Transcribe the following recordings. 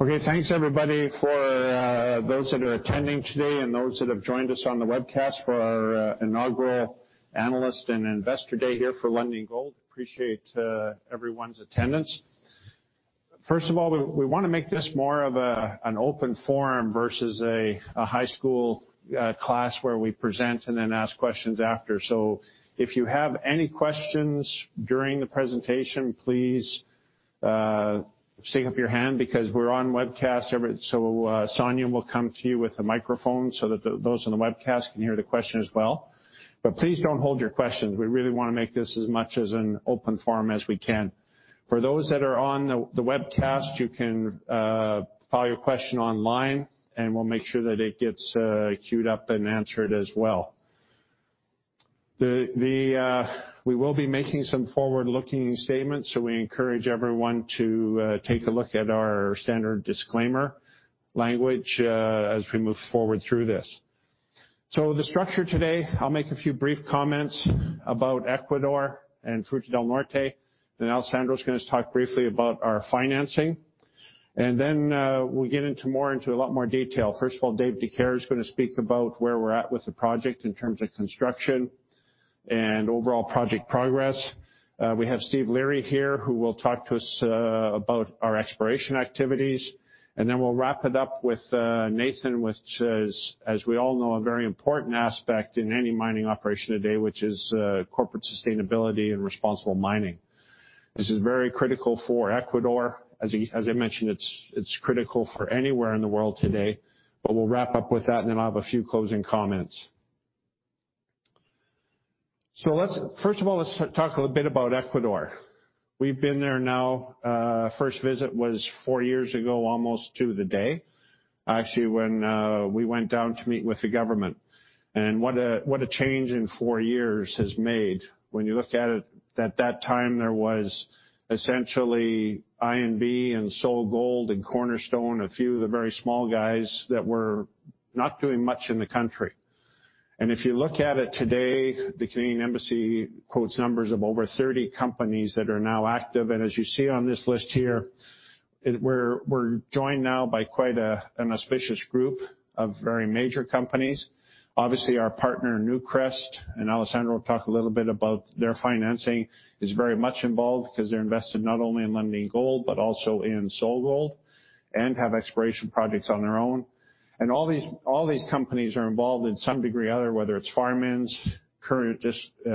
Okay, thanks everybody for those that are attending today and those that have joined us on the webcast for our inaugural Analyst and Investor Day here for Lundin Gold. Appreciate everyone's attendance. First of all, we want to make this more of an open forum versus a high school class where we present and then ask questions after. If you have any questions during the presentation, please stick up your hand because we're on webcast. Sonia will come to you with a microphone so that those on the webcast can hear the question as well. Please don't hold your questions. We really want to make this as much as an open forum as we can. For those that are on the webcast, you can file your question online, and we'll make sure that it gets queued up and answered as well. We will be making some forward-looking statements, so we encourage everyone to take a look at our standard disclaimer language as we move forward through this. The structure today, I'll make a few brief comments about Ecuador and Fruta del Norte, then Alessandro is going to talk briefly about our financing. Then we'll get into a lot more detail. First of all, Dave Dicaire is going to speak about where we're at with the project in terms of construction and overall project progress. We have Steve Leary here who will talk to us about our exploration activities. Then we'll wrap it up with Nathan, which is, as we all know, a very important aspect in any mining operation today, which is corporate sustainability and responsible mining. This is very critical for Ecuador. As I mentioned, it's critical for anywhere in the world today. We'll wrap up with that, and then I'll have a few closing comments. First of all, let's talk a little bit about Ecuador. We've been there now. First visit was four years ago, almost to the day, actually, when we went down to meet with the government. What a change in four years has made. When you look at it, at that time, there was essentially IAMGOLD and SolGold and Cornerstone, a few of the very small guys that were not doing much in the country. If you look at it today, the Canadian Embassy quotes numbers of over 30 companies that are now active, and as you see on this list here, we're joined now by quite an auspicious group of very major companies. Obviously, our partner, Newcrest Mining, and Alessandro will talk a little bit about their financing, is very much involved because they're invested not only in Lundin Gold, but also in SolGold and have exploration projects on their own. All these companies are involved in some degree or other, whether it's farm-ins, current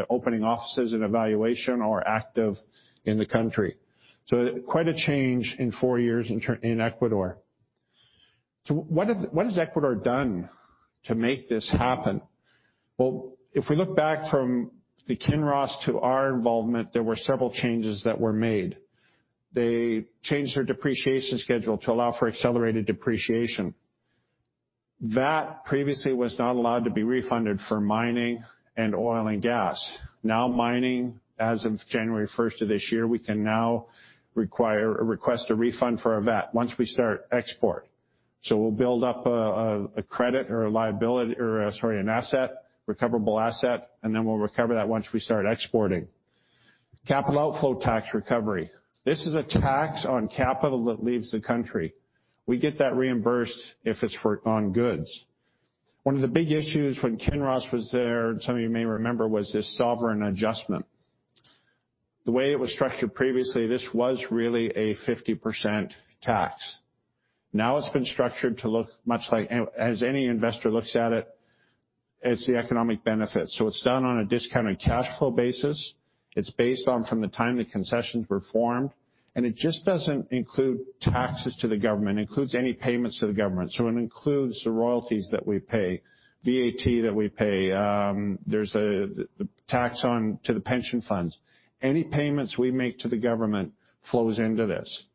opening offices and evaluation or active in the country. Quite a change in four years in Ecuador. What has Ecuador done to make this happen? Well, if we look back from the Kinross Gold to our involvement, there were several changes that were made. They changed their depreciation schedule to allow for accelerated depreciation. That previously was not allowed to be refunded for mining and oil and gas. Now, mining, as of January 1st of this year, we can now request a refund for our VAT once we start export. We'll build up a credit or an asset, recoverable asset. We'll recover that once we start exporting. Capital outflow tax recovery. This is a tax on capital that leaves the country. We get that reimbursed if it's on goods. One of the big issues when Kinross was there, and some of you may remember, was this sovereign adjustment. The way it was structured previously, this was really a 50% tax. It's been structured to look much like as any investor looks at it's the economic benefit. It's done on a discounted cash flow basis. It's based on from the time the concessions were formed. It just doesn't include taxes to the government. It includes any payments to the government. It includes the royalties that we pay, VAT that we pay. There's a tax on to the pension funds. Any payments we make to the government flows into this.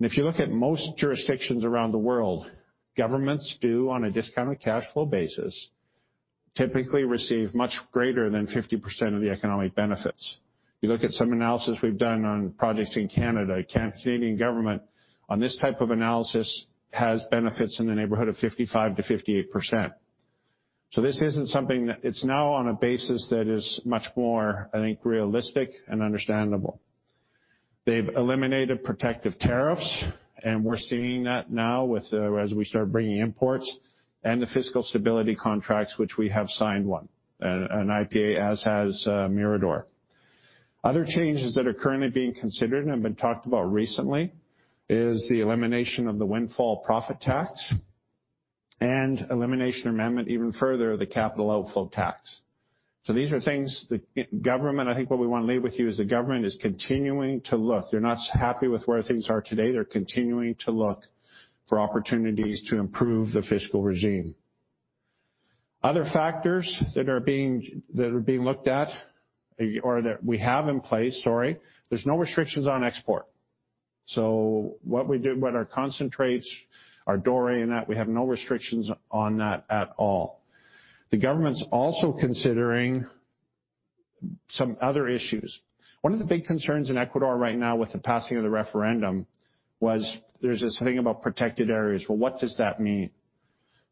If you look at most jurisdictions around the world, governments do on a discounted cash flow basis, typically receive much greater than 50% of the economic benefits. If you look at some analysis we've done on projects in Canada, Canadian government on this type of analysis has benefits in the neighborhood of 55%-58%. This isn't something that is now on a basis that is much more, I think, realistic and understandable. They've eliminated protective tariffs, and we're seeing that now as we start bringing imports and the fiscal stability contracts, which we have signed one, an IPA, as has Mirador. Other changes that are currently being considered and have been talked about recently is the elimination of the windfall profit tax and elimination amendment even further, the capital outflow tax. These are things the government, I think what we want to leave with you is the government is continuing to look. They're not happy with where things are today. They're continuing to look for opportunities to improve the fiscal regime. Other factors that are being looked at or that we have in place, sorry, there's no restrictions on export. What we do, what our concentrates, our doré and that, we have no restrictions on that at all. The government's also considering some other issues. One of the big concerns in Ecuador right now with the passing of the referendum was there's this thing about protected areas. Well, what does that mean?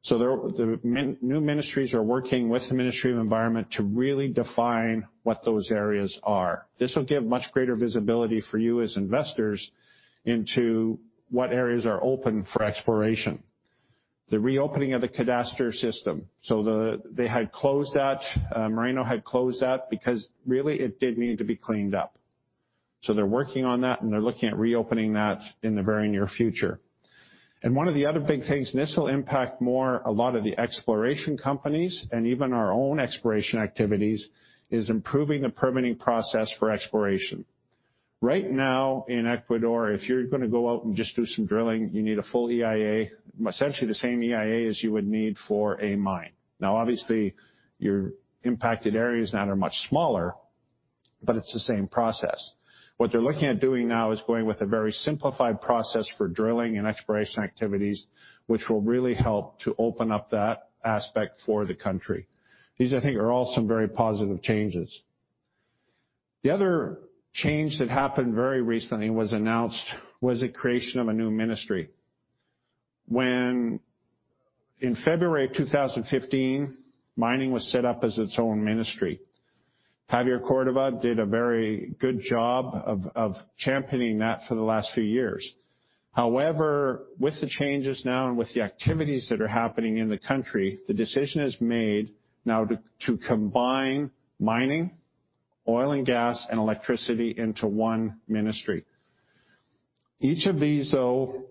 The new ministries are working with the Ministry of Environment to really define what those areas are. This will give much greater visibility for you as investors into what areas are open for exploration. The reopening of the cadastre system. They had closed that. Moreno had closed that because really it did need to be cleaned up. They're working on that, and they're looking at reopening that in the very near future. One of the other big things, and this will impact more a lot of the exploration companies and even our own exploration activities, is improving the permitting process for exploration. Right now in Ecuador, if you're going to go out and just do some drilling, you need a full EIA, essentially the same EIA as you would need for a mine. Now, obviously, your impacted areas now are much smaller, but it's the same process. What they're looking at doing now is going with a very simplified process for drilling and exploration activities, which will really help to open up that aspect for the country. These, I think, are all some very positive changes. The other change that happened very recently, was announced, was the creation of a new ministry. When in February of 2015, mining was set up as its own ministry. Javier Córdova did a very good job of championing that for the last few years. With the changes now and with the activities that are happening in the country, the decision is made now to combine mining, oil and gas, and electricity into one ministry. Each of these, though,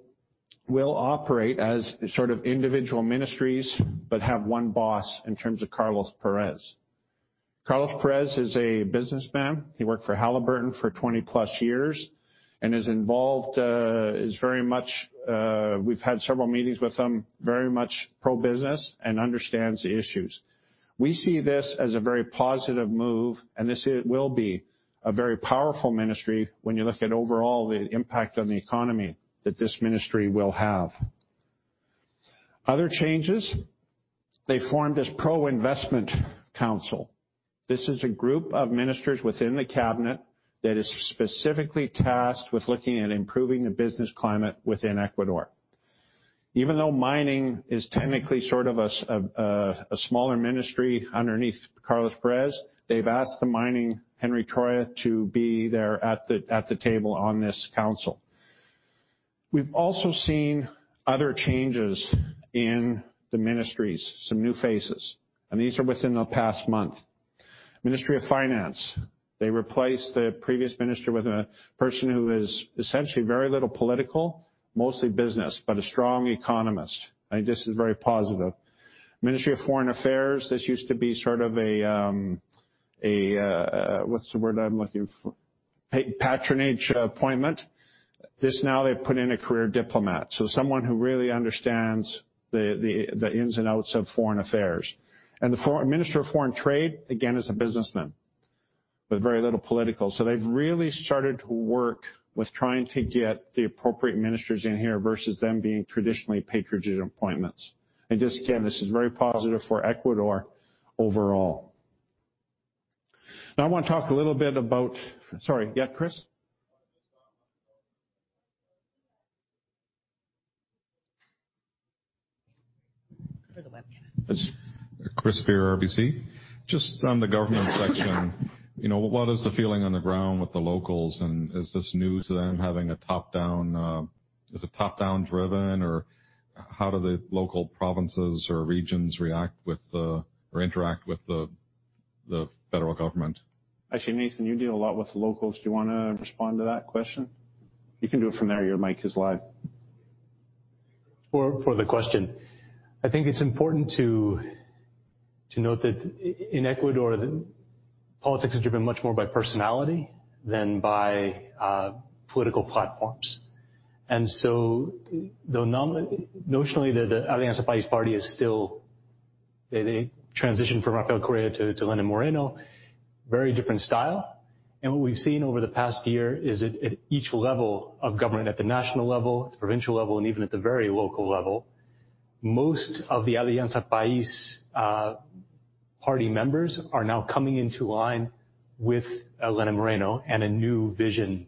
will operate as sort of individual ministries, but have one boss in terms of Carlos Pérez. Carlos Pérez is a businessman. He worked for Halliburton for 20-plus years and is involved, is very much, we've had several meetings with him, very much pro-business and understands the issues. We see this as a very positive move. This will be a very powerful ministry when you look at overall the impact on the economy that this ministry will have. Other changes, they formed this Pro Investment Council. This is a group of ministers within the cabinet that is specifically tasked with looking at improving the business climate within Ecuador. Even though mining is technically sort of a smaller ministry underneath Carlos Pérez, they've asked the mining, Henry Troya, to be there at the table on this council. We've also seen other changes in the ministries, some new faces. These are within the past month. Ministry of Finance, they replaced the previous minister with a person who is essentially very little political, mostly business, but a strong economist. I think this is very positive. Ministry of Foreign Affairs, this used to be sort of a, what's the word I'm looking for? Patronage appointment. This now they've put in a career diplomat, so someone who really understands the ins and outs of foreign affairs. The Minister of Foreign Trade, again, is a businessman with very little political. They've really started to work with trying to get the appropriate ministers in here versus them being traditionally patronage appointments. Just again, this is very positive for Ecuador overall. Now I want to talk a little bit about Sorry. Yeah, Chris? For the webcast. It's Chris Beer, RBC. Just on the government section, what is the feeling on the ground with the locals, and is this news to them? Is it top-down driven, or how do the local provinces or regions interact with the federal government? Actually, Nathan, you deal a lot with the locals. Do you want to respond to that question? You can do it from there. Your mic is live. For the question. I think it's important to note that in Ecuador, politics is driven much more by personality than by political platforms. Though notionally the Alianza PAIS party is still, they transitioned from Rafael Correa to Lenín Moreno, very different style. What we've seen over the past year is at each level of government, at the national level, at the provincial level, and even at the very local level, most of the Alianza PAIS party members are now coming into line with Lenín Moreno and a new vision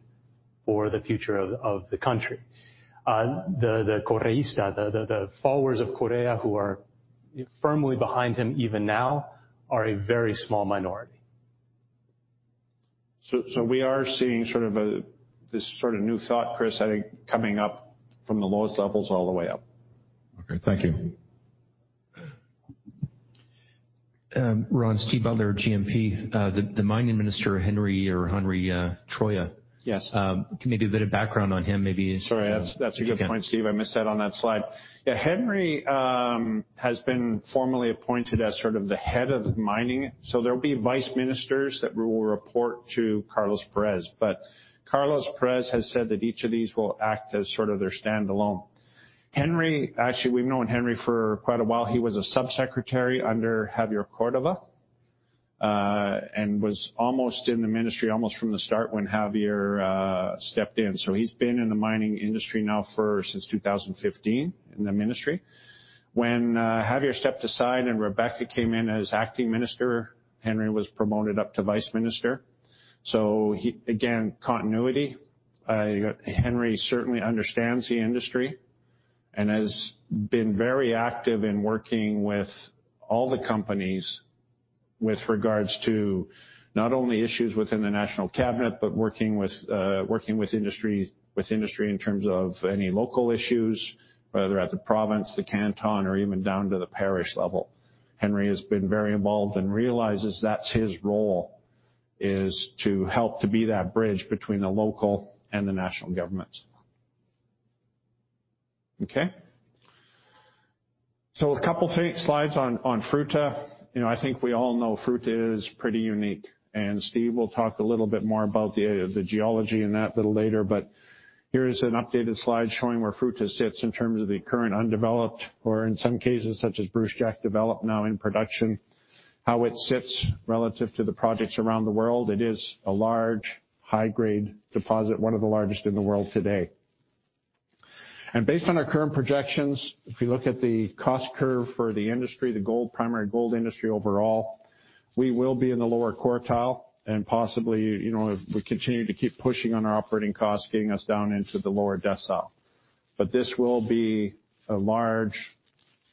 for the future of the country. The Correista, the followers of Correa who are firmly behind him even now, are a very small minority. We are seeing this sort of new thought, Chris, I think coming up from the lowest levels all the way up. Okay. Thank you. Ron Steve Butler, GMP. The Mining Minister, Henry Troya. Yes. Maybe a bit of background on him. Sorry, that's a good point, Steve. I missed that on that slide. Yeah, Henry has been formally appointed as sort of the head of mining. There'll be vice ministers that will report to Carlos Pérez. Carlos Pérez has said that each of these will act as sort of their standalone. Henry, actually, we've known Henry for quite a while. He was a sub secretary under Javier Córdova, and was almost in the ministry almost from the start when Javier stepped in. He's been in the mining industry now for since 2015 in the ministry. When Javier stepped aside and Rebeca came in as acting minister, again, continuity. Henry certainly understands the industry and has been very active in working with all the companies with regards to not only issues within the national cabinet, but working with industry in terms of any local issues, whether at the province, the canton, or even down to the parish level. Henry has been very involved and realizes that's his role, is to help to be that bridge between the local and the national governments. Okay. A couple of slides on Fruta. I think we all know Fruta is pretty unique, and Steve will talk a little bit more about the geology and that little later. Here is an updated slide showing where Fruta sits in terms of the current undeveloped, or in some cases such as Brucejack developed now in production, how it sits relative to the projects around the world. It is a large, high-grade deposit, one of the largest in the world today. Based on our current projections, if you look at the cost curve for the industry, the primary gold industry overall, we will be in the lower quartile and possibly, if we continue to keep pushing on our operating costs, getting us down into the lower decile. This will be a large,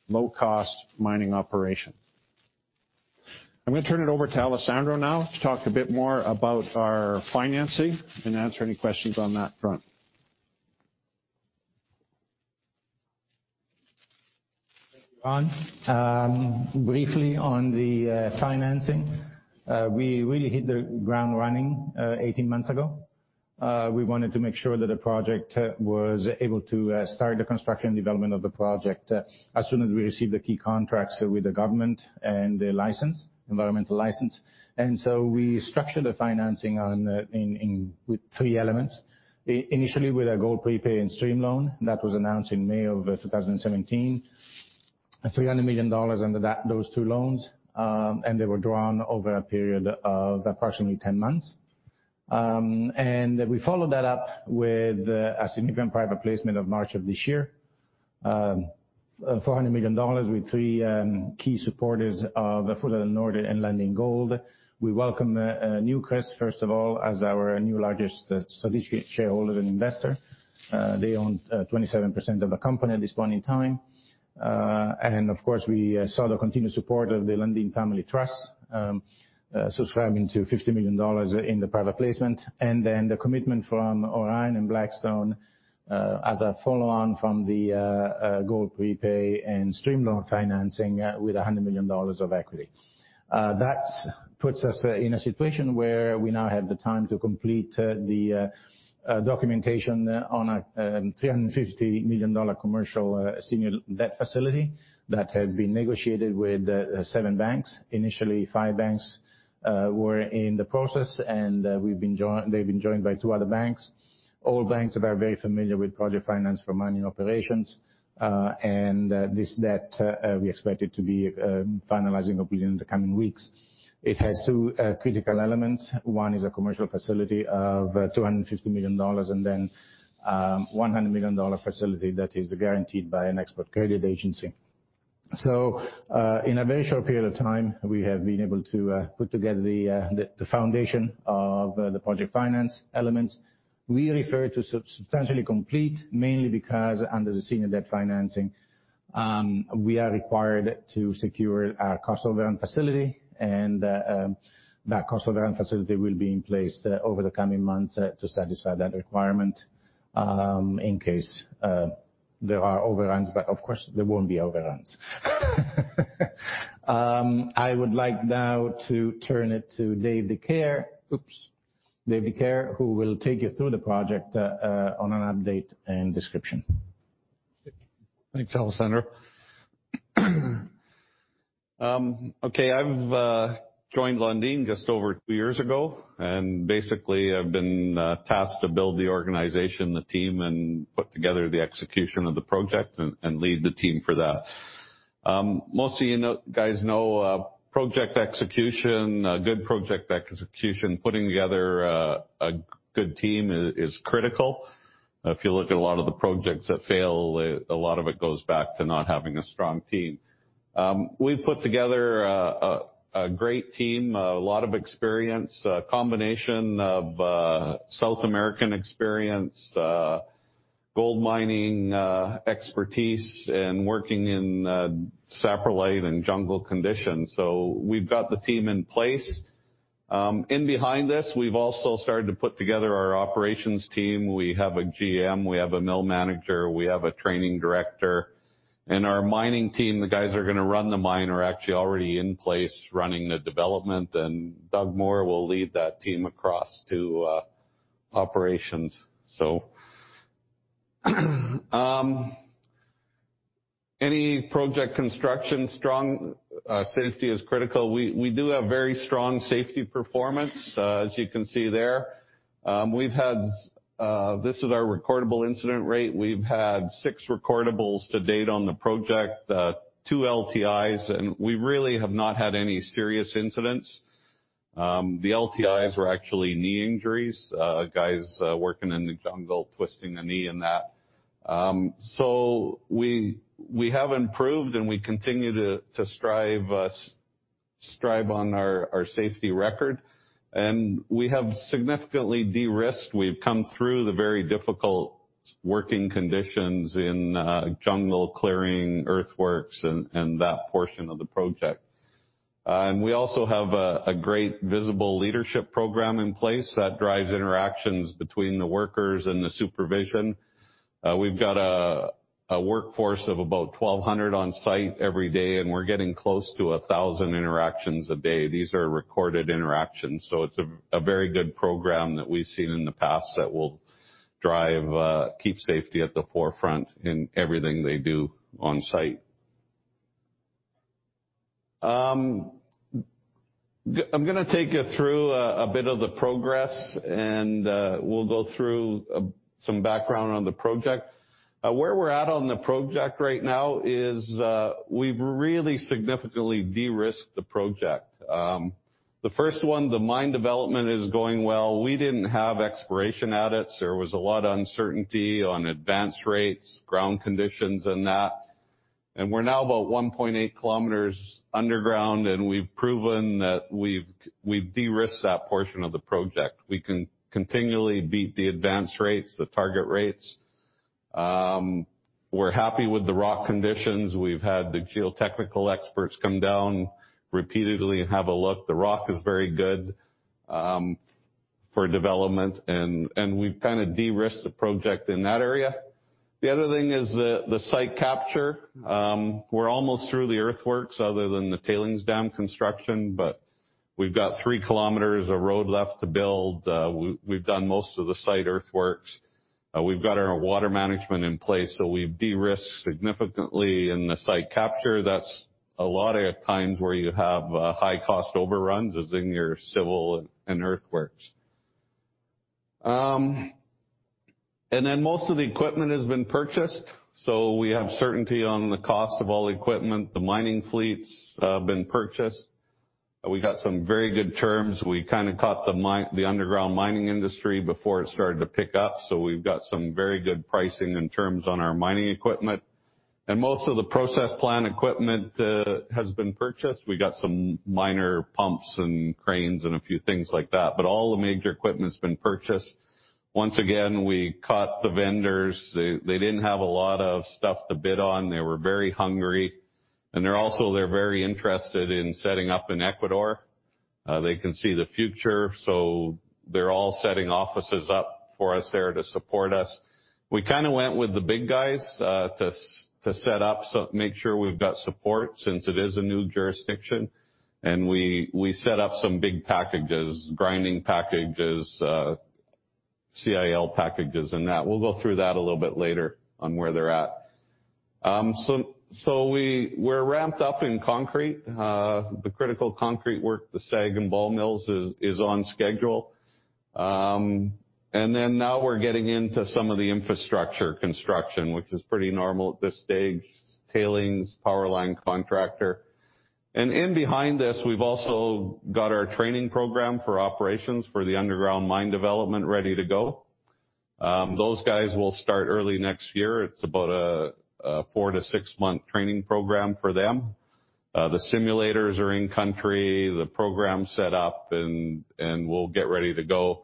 low-cost mining operation. I'm going to turn it over to Alessandro now to talk a bit more about our financing and answer any questions on that front. Thank you, Ron. Briefly on the financing. We really hit the ground running 18 months ago. We wanted to make sure that the project was able to start the construction and development of the project as soon as we received the key contracts with the government and the environmental license. We structured the financing with three elements. Initially with a gold prepay and stream loan that was announced in May of 2017, $300 million under those two loans, they were drawn over a period of approximately 10 months. We followed that up with a significant private placement of March of this year, $400 million with three key supporters of the Fruta del Norte and Lundin Gold. We welcome Newcrest, first of all, as our new largest subsidiary shareholder and investor. They own 27% of the company at this point in time. Of course, we saw the continued support of the Lundin Family Trust, subscribing to $50 million in the private placement. Then the commitment from Orion and Blackstone, as a follow-on from the gold prepay and stream loan financing with $100 million of equity. That puts us in a situation where we now have the time to complete the documentation on a $350 million commercial senior debt facility that has been negotiated with seven banks. Initially, five banks were in the process, and they've been joined by two other banks. All banks are very familiar with project finance for mining operations. This debt, we expect it to be finalizing within the coming weeks. It has two critical elements. One is a commercial facility of $250 million, and then $100 million facility that is guaranteed by an export credit agency. In a very short period of time, we have been able to put together the foundation of the project finance elements. We refer to substantially complete, mainly because under the senior debt financing, we are required to secure a cost overrun facility, and that cost overrun facility will be in place over the coming months to satisfy that requirement, in case there are overruns, but of course, there won't be overruns. I would like now to turn it to Dave Dicaire. Oops. Dave Dicaire, who will take you through the project on an update and description. Thanks, Alessandro. Okay. I've joined Lundin just over two years ago, and basically, I've been tasked to build the organization, the team, and put together the execution of the project, and lead the team for that. Most of you guys know project execution, good project execution, putting together a good team is critical. If you look at a lot of the projects that fail, a lot of it goes back to not having a strong team. We've put together a great team, a lot of experience, a combination of South American experience, gold mining expertise, and working in saprolite and jungle conditions. We've got the team in place. Behind this, we've also started to put together our operations team. We have a GM, we have a mill manager, we have a training director, and our mining team, the guys that are going to run the mine are actually already in place running the development, and Doug Moore will lead that team across to operations. Any project construction, strong safety is critical. We do have very strong safety performance, as you can see there. This is our recordable incident rate. We've had six recordables to date on the project, two LTIs, and we really have not had any serious incidents. The LTIs were actually knee injuries, guys working in the jungle, twisting a knee and that. We have improved, and we continue to strive on our safety record. We have significantly de-risked. We've come through the very difficult working conditions in jungle clearing, earthworks, and that portion of the project. We also have a great visible leadership program in place that drives interactions between the workers and the supervision. We've got a workforce of about 1,200 on-site every day, and we're getting close to 1,000 interactions a day. These are recorded interactions, so it's a very good program that we've seen in the past that will drive, keep safety at the forefront in everything they do on-site. I'm going to take you through a bit of the progress, and we'll go through some background on the project. Where we're at on the project right now is, we've really significantly de-risked the project. The first one, the mine development is going well. We didn't have exploration at it. There was a lot of uncertainty on advance rates, ground conditions, and that. We're now about 1.8 kilometers underground, and we've proven that we've de-risked that portion of the project. We can continually beat the advance rates, the target rates. We're happy with the rock conditions. We've had the geotechnical experts come down repeatedly and have a look. The rock is very good for development, and we've kind of de-risked the project in that area. The other thing is the site capture. We're almost through the earthworks other than the tailings dam construction, but we've got three kilometers of road left to build. We've done most of the site earthworks. We've got our water management in place, so we've de-risked significantly in the site capture. That's a lot of times where you have high cost overruns is in your civil and earthworks. Most of the equipment has been purchased. We have certainty on the cost of all equipment. The mining fleet's been purchased. We got some very good terms. We kind of caught the underground mining industry before it started to pick up. We've got some very good pricing and terms on our mining equipment. Most of the process plant equipment has been purchased. We got some minor pumps and cranes and a few things like that, but all the major equipment's been purchased. Once again, we caught the vendors. They didn't have a lot of stuff to bid on. They were very hungry. They're also, they're very interested in setting up in Ecuador. They can see the future, so they're all setting offices up for us there to support us. We kind of went with the big guys, to set up, so make sure we've got support since it is a new jurisdiction. We set up some big packages, grinding packages, CIL packages, and that. We'll go through that a little bit later on where they're at. We're ramped up in concrete. The critical concrete work, the SAG and ball mills is on schedule. Now we're getting into some of the infrastructure construction, which is pretty normal at this stage, tailings, power line contractor. In behind this, we've also got our training program for operations for the underground mine development ready to go. Those guys will start early next year. It's about a 4-6 month training program for them. The simulators are in country, the program's set up, and we'll get ready to go.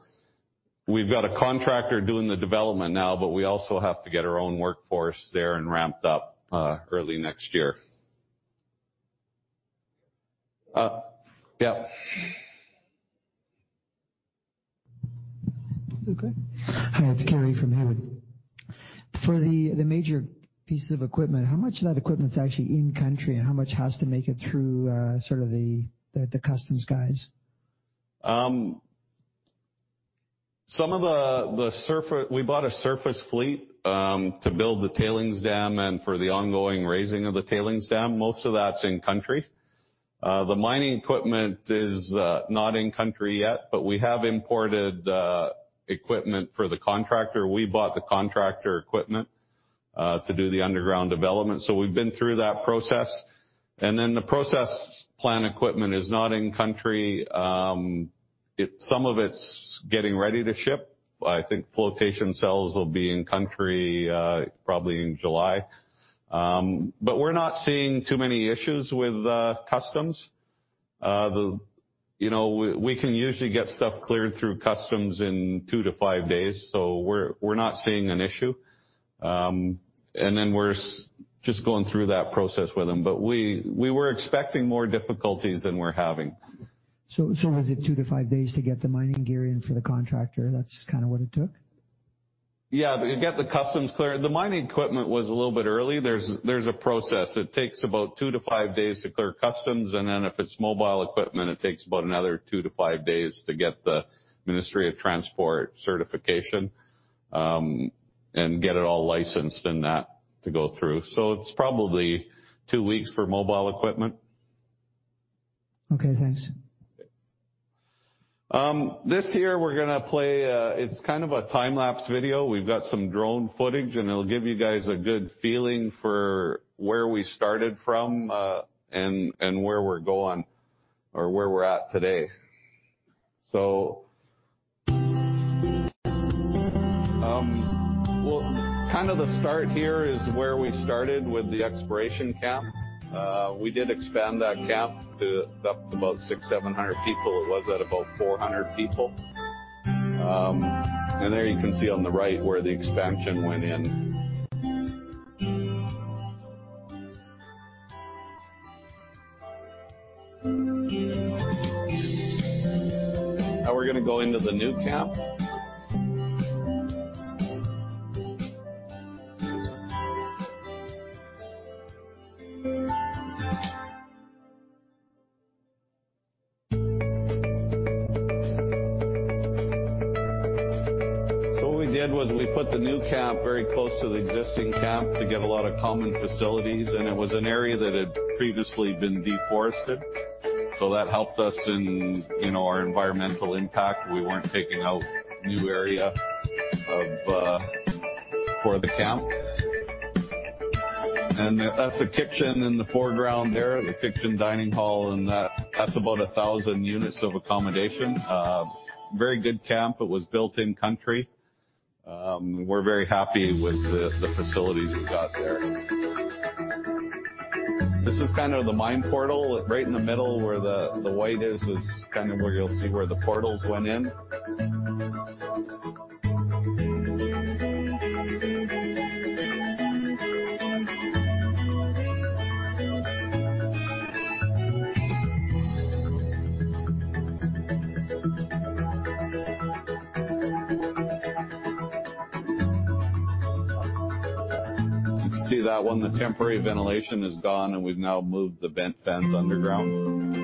We've got a contractor doing the development now, we also have to get our own workforce there and ramped up early next year. Yeah. Okay. Hi, it's Kerry from Haywood. For the major pieces of equipment, how much of that equipment's actually in country, and how much has to make it through sort of the customs guys? We bought a surface fleet to build the tailings dam and for the ongoing raising of the tailings dam. Most of that's in country. The mining equipment is not in country yet, but we have imported equipment for the contractor. We bought the contractor equipment to do the underground development. We've been through that process. The process plant equipment is not in country. Some of it's getting ready to ship. I think flotation cells will be in country probably in July. We're not seeing too many issues with customs. We can usually get stuff cleared through customs in two to five days, so we're not seeing an issue. We're just going through that process with them. We were expecting more difficulties than we're having. Was it two to five days to get the mining gear in for the contractor? That's kind of what it took? Yeah. To get the customs cleared, the mining equipment was a little bit early. There's a process. It takes about two to five days to clear customs, and then if it's mobile equipment, it takes about another two to five days to get the Ministry of Transport certification, and get it all licensed and that to go through. It's probably two weeks for mobile equipment. Okay, thanks. This here we're going to play, it's kind of a time lapse video. We've got some drone footage. It'll give you guys a good feeling for where we started from and where we're going or where we're at today. Kind of the start here is where we started with the exploration camp. We did expand that camp to up to about 600, 700 people. It was at about 400 people. There you can see on the right where the expansion went in. Now we're going to go into the new camp. What we did was we put the new camp very close to the existing camp to get a lot of common facilities. It was an area that had previously been deforested. That helped us in our environmental impact. We weren't taking out a new area for the camp. That's the kitchen in the foreground there, the kitchen dining hall, and that's about 1,000 units of accommodation. Very good camp. It was built in-country. We're very happy with the facilities we've got there. This is kind of the mine portal. Right in the middle where the white is kind of where you'll see where the portals went in. You can see that one, the temporary ventilation is gone, we've now moved the vent fans underground.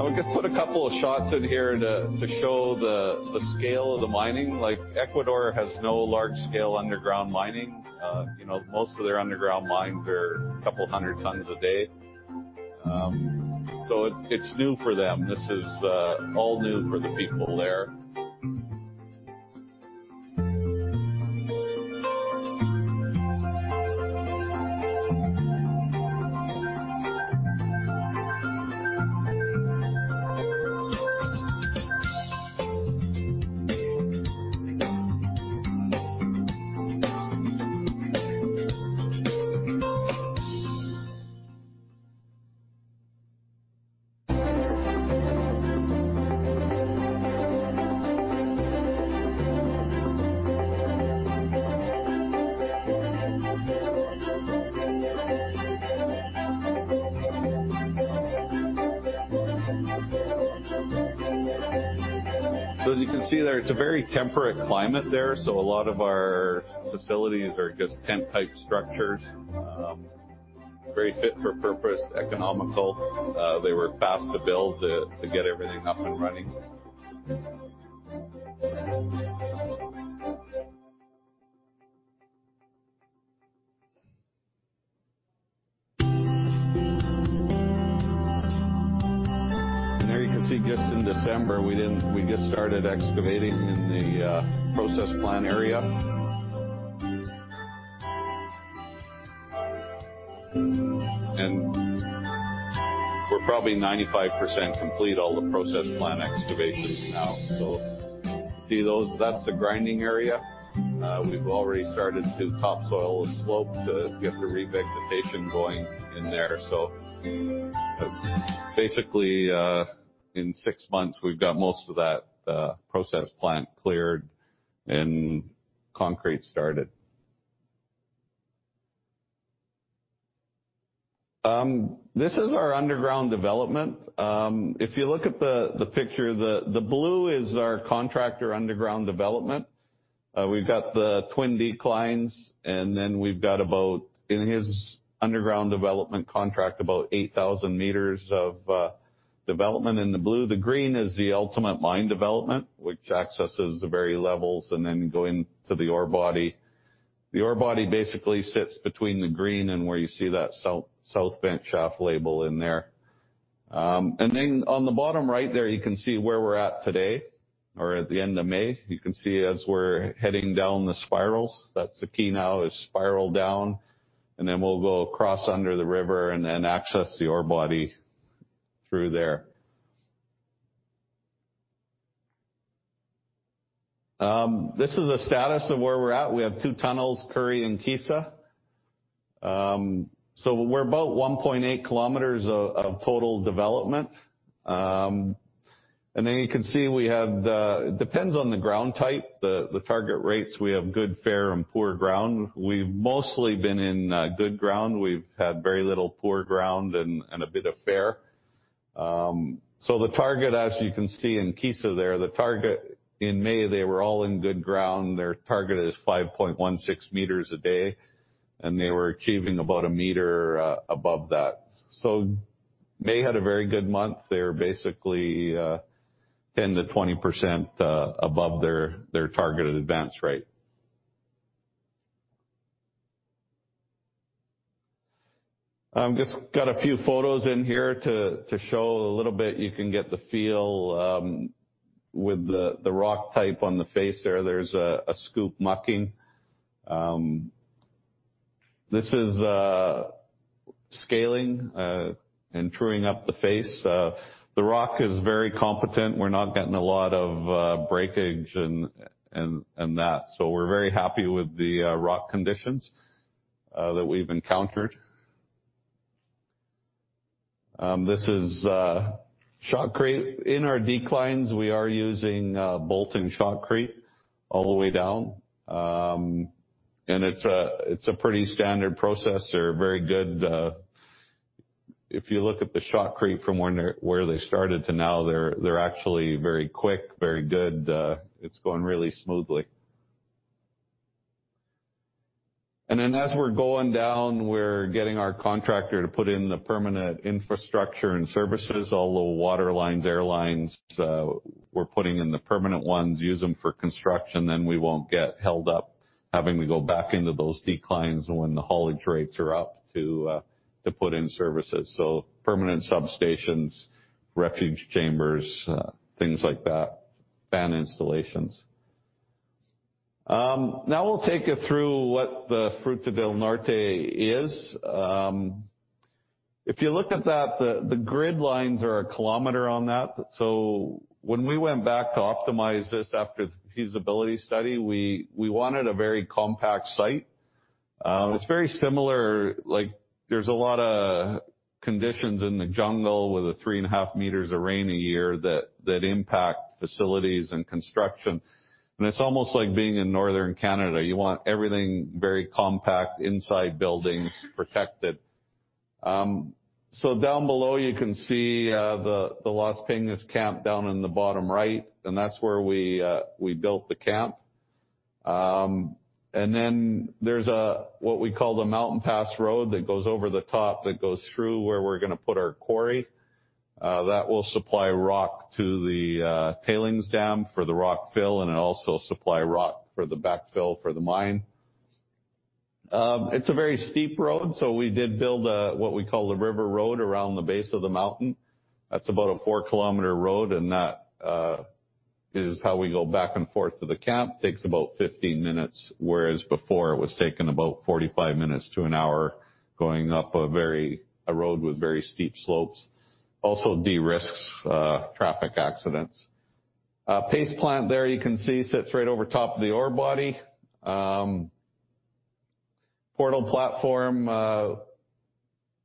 I just put a couple of shots in here to show the scale of the mining. Ecuador has no large-scale underground mining. Most of their underground mines are 200 tons a day. It's new for them. This is all new for the people there. As you can see there, it's a very temperate climate there, so a lot of our facilities are just tent type structures. Very fit for purpose, economical. They were fast to build to get everything up and running. There you can see just in December, we just started excavating in the process plant area. We're probably 95% complete all the process plant excavations now. You see those, that's a grinding area. We've already started to topsoil the slope to get the revegetation going in there. Basically, in six months we've got most of that process plant cleared and concrete started. This is our underground development. If you look at the picture, the blue is our contractor underground development. We've got the twin declines, and then we've got about, in his underground development contract, about 8,000 meters of development in the blue. The green is the ultimate mine development, which accesses the various levels and then go into the ore body. The ore body basically sits between the green and where you see that south Vent shaft label in there. On the bottom right there, you can see where we're at today, or at the end of May. You can see as we're heading down the spirals. That's the key now is spiral down, and then we'll go across under the river and then access the ore body through there. This is the status of where we're at. We have two tunnels, Kuri and K'isa. We're about 1.8 kilometers of total development. You can see we have It depends on the ground type, the target rates. We have good, fair, and poor ground. We've mostly been in good ground. We've had very little poor ground and a bit of fair. The target, as you can see in K'isa there, the target in May, they were all in good ground. Their target is 5.16 meters a day, and they were achieving about a meter above that. May had a very good month. They were basically 10%-20% above their targeted advance rate. Just got a few photos in here to show a little bit. You can get the feel with the rock type on the face there. There's a scoop mucking. This is scaling and truing up the face. The rock is very competent. We're not getting a lot of breakage and that, so we're very happy with the rock conditions that we've encountered. This is shotcrete. In our declines, we are using bolt and shotcrete all the way down. It's a pretty standard process. They're very good If you look at the shotcrete from where they started to now, they're actually very quick, very good. It's going really smoothly. As we're going down, we're getting our contractor to put in the permanent infrastructure and services, all the waterlines, airlines. We're putting in the permanent ones, use them for construction, we won't get held up having to go back into those declines when the haulage rates are up to put in services. Permanent substations, refuge chambers, things like that, fan installations. Now we'll take you through what the Fruta del Norte is. If you look at that, the grid lines are a kilometer on that. When we went back to optimize this after the feasibility study, we wanted a very compact site. It's very similar, there's a lot of conditions in the jungle with the three and a half meters of rain a year that impact facilities and construction. It's almost like being in northern Canada. You want everything very compact, inside buildings, protected. Down below, you can see the Las Peñas camp down in the bottom right, and that's where we built the camp. There's what we call the mountain pass road that goes over the top, that goes through where we're going to put our quarry. That will supply rock to the tailings dam for the rock fill, and it'll also supply rock for the backfill for the mine. It's a very steep road, so we did build what we call the river road around the base of the mountain. That's about a four-kilometer road, and that is how we go back and forth to the camp. Takes about 15 minutes, whereas before it was taking about 45 minutes to an hour going up a road with very steep slopes. Also de-risks traffic accidents. Process plant there you can see sits right over top of the ore body. Portal platform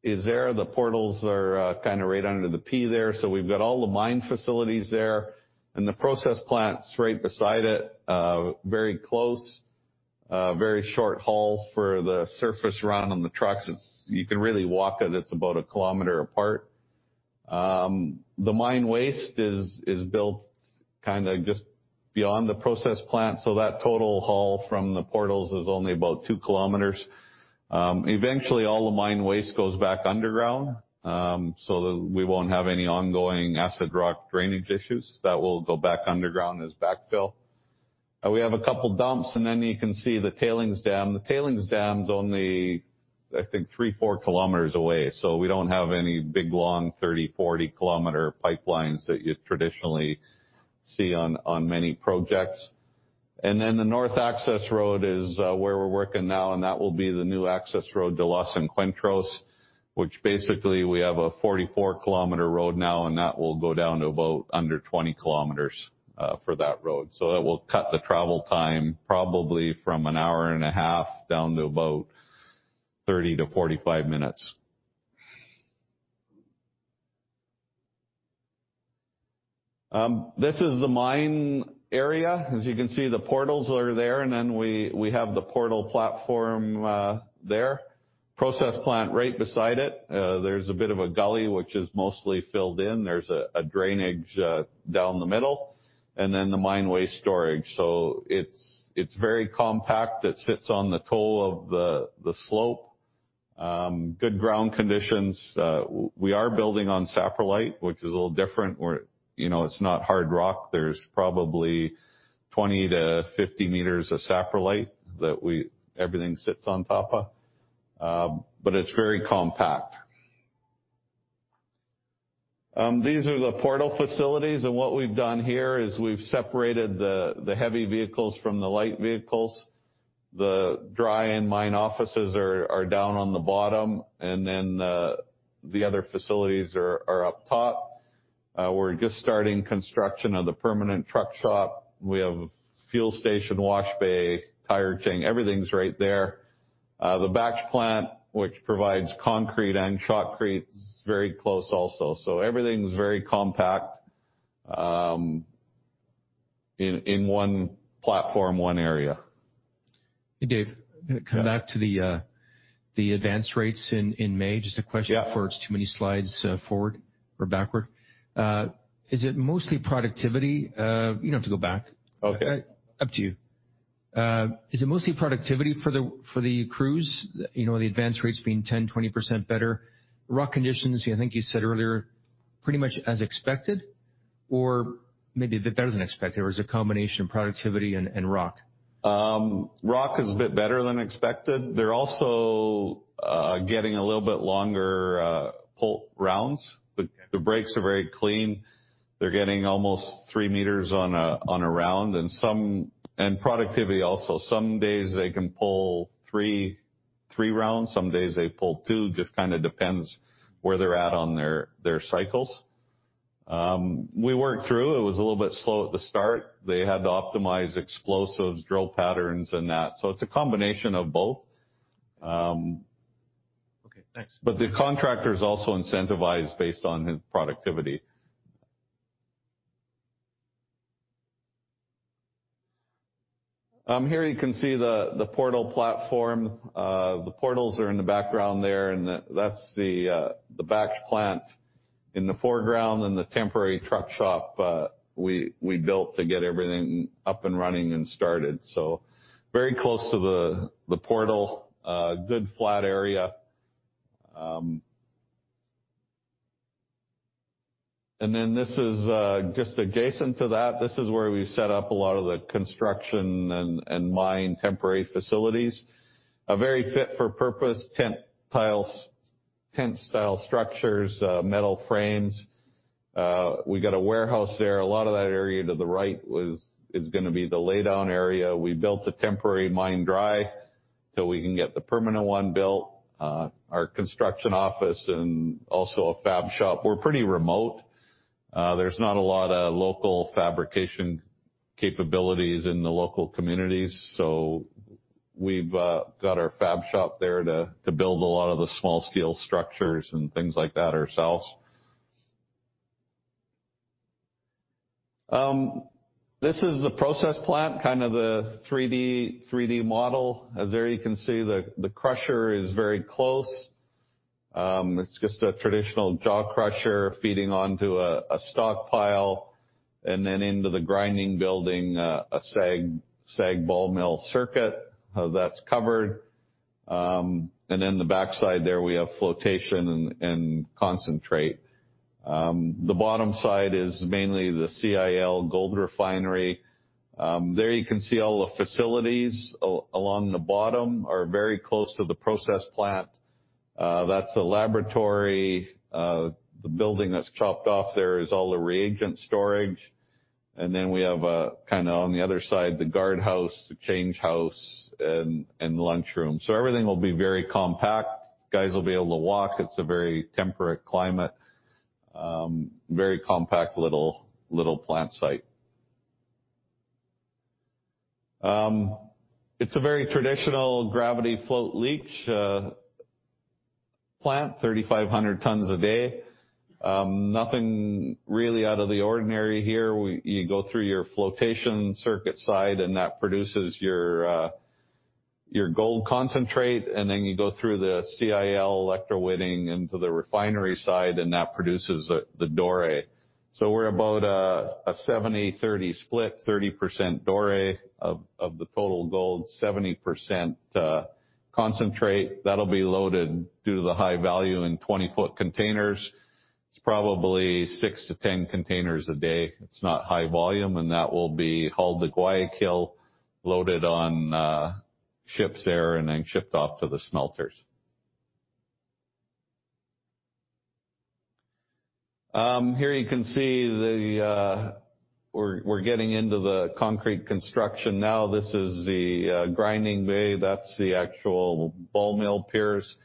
is there. The portals are kind of right under the P there. So we've got all the mine facilities there, and the process plant's right beside it, very close, very short haul for the surface run on the trucks. You can really walk it. It's about a kilometer apart. The mine waste is built kind of just beyond the process plant, so that total haul from the portals is only about two kilometers. Eventually, all the mine waste goes back underground, so that we won't have any ongoing acid rock drainage issues. That will go back underground as backfill. We have a couple dumps. You can see the tailings dam. The tailings dam's only, I think, three, four kilometers away. We don't have any big, long, 30-40-kilometer pipelines that you traditionally see on many projects. The north access road is where we're working now, and that will be the new access road to Los Encuentros, which basically we have a 44-kilometer road now, and that will go down to about under 20 kilometers for that road. That will cut the travel time probably from an hour and a half down to about 30-45 minutes. This is the mine area. The portals are there. We have the portal platform there. The process plant is right beside it. There's a bit of a gully, which is mostly filled in. There's a drainage down the middle, and then the mine waste storage. It's very compact. It sits on the toe of the slope. There are good ground conditions. We are building on saprolite, which is a little different where it's not hard rock. There's probably 20-50 meters of saprolite that everything sits on top of. It's very compact. These are the portal facilities, and what we've done here is we've separated the heavy vehicles from the light vehicles. The dry end mine offices are down on the bottom, and then the other facilities are up top. We're just starting construction of the permanent truck shop. We have a fuel station, wash bay, and tire changing. Everything's right there. The batch plant, which provides concrete and shotcrete, is very close also. Everything's very compact in one platform, one area. Hey, Dave. Yeah. Going to come back to the advance rates in May. Yeah Before it's too many slides forward or backward. Is it mostly productivity? You don't have to go back. Okay. Up to you. Is it mostly productivity for the crews, the advance rates being 10%, 20% better? Rock conditions, I think you said earlier, pretty much as expected, or maybe a bit better than expected, or is it a combination of productivity and rock? Rock is a bit better than expected. Getting a little bit longer pull rounds. The breaks are very clean. They're getting almost 3 meters on a round, and productivity also. Some days they can pull 3 rounds, some days they pull 2, just kind of depends where they're at on their cycles. We worked through. It was a little bit slow at the start. They had to optimize explosives, drill patterns, and that. It's a combination of both. Okay, thanks. The contractor is also incentivized based on productivity. Here you can see the portal platform. The portals are in the background there, that's the batch plant in the foreground and the temporary truck shop we built to get everything up and running and started. Very close to the portal. Good flat area. This is just adjacent to that. This is where we set up a lot of the construction and mine temporary facilities. A very fit for purpose tent style structures, metal frames. We got a warehouse there. A lot of that area to the right is going to be the lay down area. We built a temporary mine dry till we can get the permanent one built, our construction office, and also a fab shop. We're pretty remote. There's not a lot of local fabrication capabilities in the local communities, so we've got our fab shop there to build a lot of the small steel structures and things like that ourselves. This is the process plant, kind of the 3D model. There you can see the crusher is very close. It's just a traditional jaw crusher feeding onto a stockpile, and then into the grinding building, a SAG ball mill circuit. That's covered. In the backside there, we have flotation and concentrate. The bottom side is mainly the CIL gold refinery. There you can see all the facilities along the bottom are very close to the process plant. That's a laboratory. The building that's chopped off there is all the reagent storage. We have, kind of on the other side, the guard house, the change house, and lunchroom. Everything will be very compact. Guys will be able to walk. It's a very temperate climate. Very compact little plant site. It's a very traditional gravity float leach plant, 3,500 tons a day. Nothing really out of the ordinary here. You go through your flotation circuit side, and that produces your gold concentrate, and then you go through the CIL electrowinning into the refinery side, and that produces the doré. We're about a 70/30 split, 30% doré of the total gold, 70% concentrate. That'll be loaded due to the high value in 20-foot containers. It's probably six to 10 containers a day. It's not high volume, and that will be hauled to Guayaquil, loaded on ships there, and then shipped off to the smelters. Here you can see we're getting into the concrete construction now. This is the grinding bay. That's the actual ball mill piers.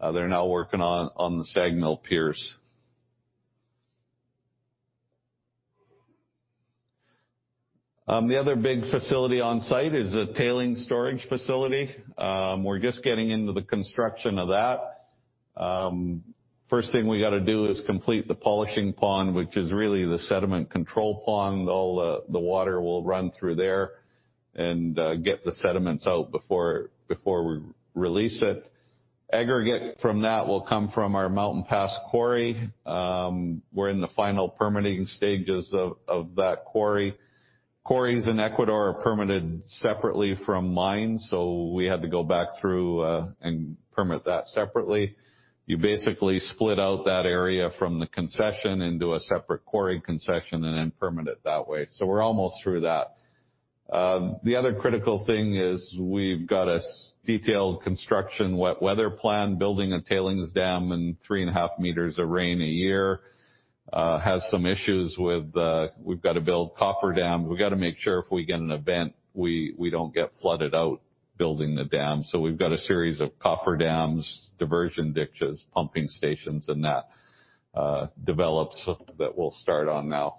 They're now working on the SAG mill piers. The other big facility on site is a tailings storage facility. We're just getting into the construction of that. First thing we got to do is complete the polishing pond, which is really the sediment control pond. All the water will run through there and get the sediments out before we release it. Aggregate from that will come from our Mountain Pass Quarry. We're in the final permitting stages of that quarry. Quarries in Ecuador are permitted separately from mines. We had to go back through and permit that separately. You basically split out that area from the concession into a separate quarry concession and then permit it that way. We're almost through that. The other critical thing is we've got a detailed construction wet weather plan. Building a tailings dam in three and a half meters of rain a year has some issues with we've got to build cofferdam. We've got to make sure if we get an event, we don't get flooded out building the dam. We've got a series of cofferdams, diversion ditches, pumping stations, and that develops that we'll start on now.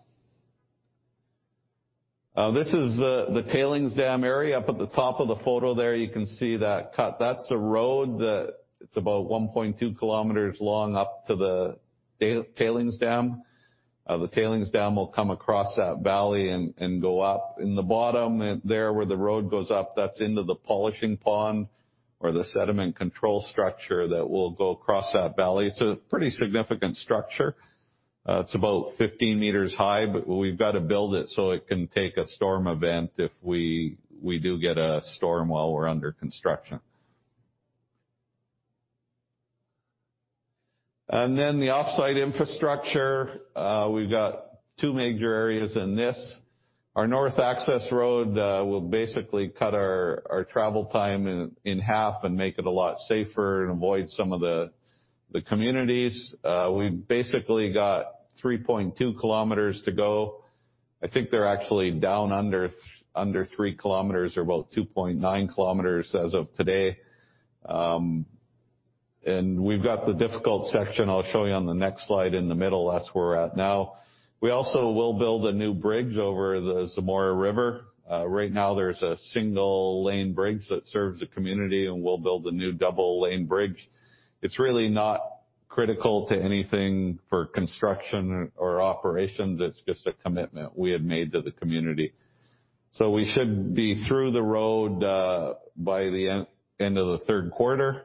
This is the tailings dam area. Up at the top of the photo there, you can see that cut. That's a road that it's about 1.2 kilometers long up to the tailings dam. The tailings dam will come across that valley and go up. In the bottom there, where the road goes up, that's into the polishing pond or the sediment control structure that will go across that valley. It's a pretty significant structure. It's about 15 meters high, but we've got to build it so it can take a storm event if we do get a storm while we're under construction. The offsite infrastructure, we've got two major areas in this. Our north access road will basically cut our travel time in half and make it a lot safer and avoid some of the communities. We basically got 3.2 kilometers to go. I think they're actually down under three kilometers or about 2.9 kilometers as of today. We've got the difficult section, I'll show you on the next slide, in the middle. That's where we're at now. We also will build a new bridge over the Zamora River. Right now there's a single-lane bridge that serves the community, and we'll build a new double-lane bridge. It's really not critical to anything for construction or operations. It's just a commitment we had made to the community. We should be through the road by the end of the third quarter,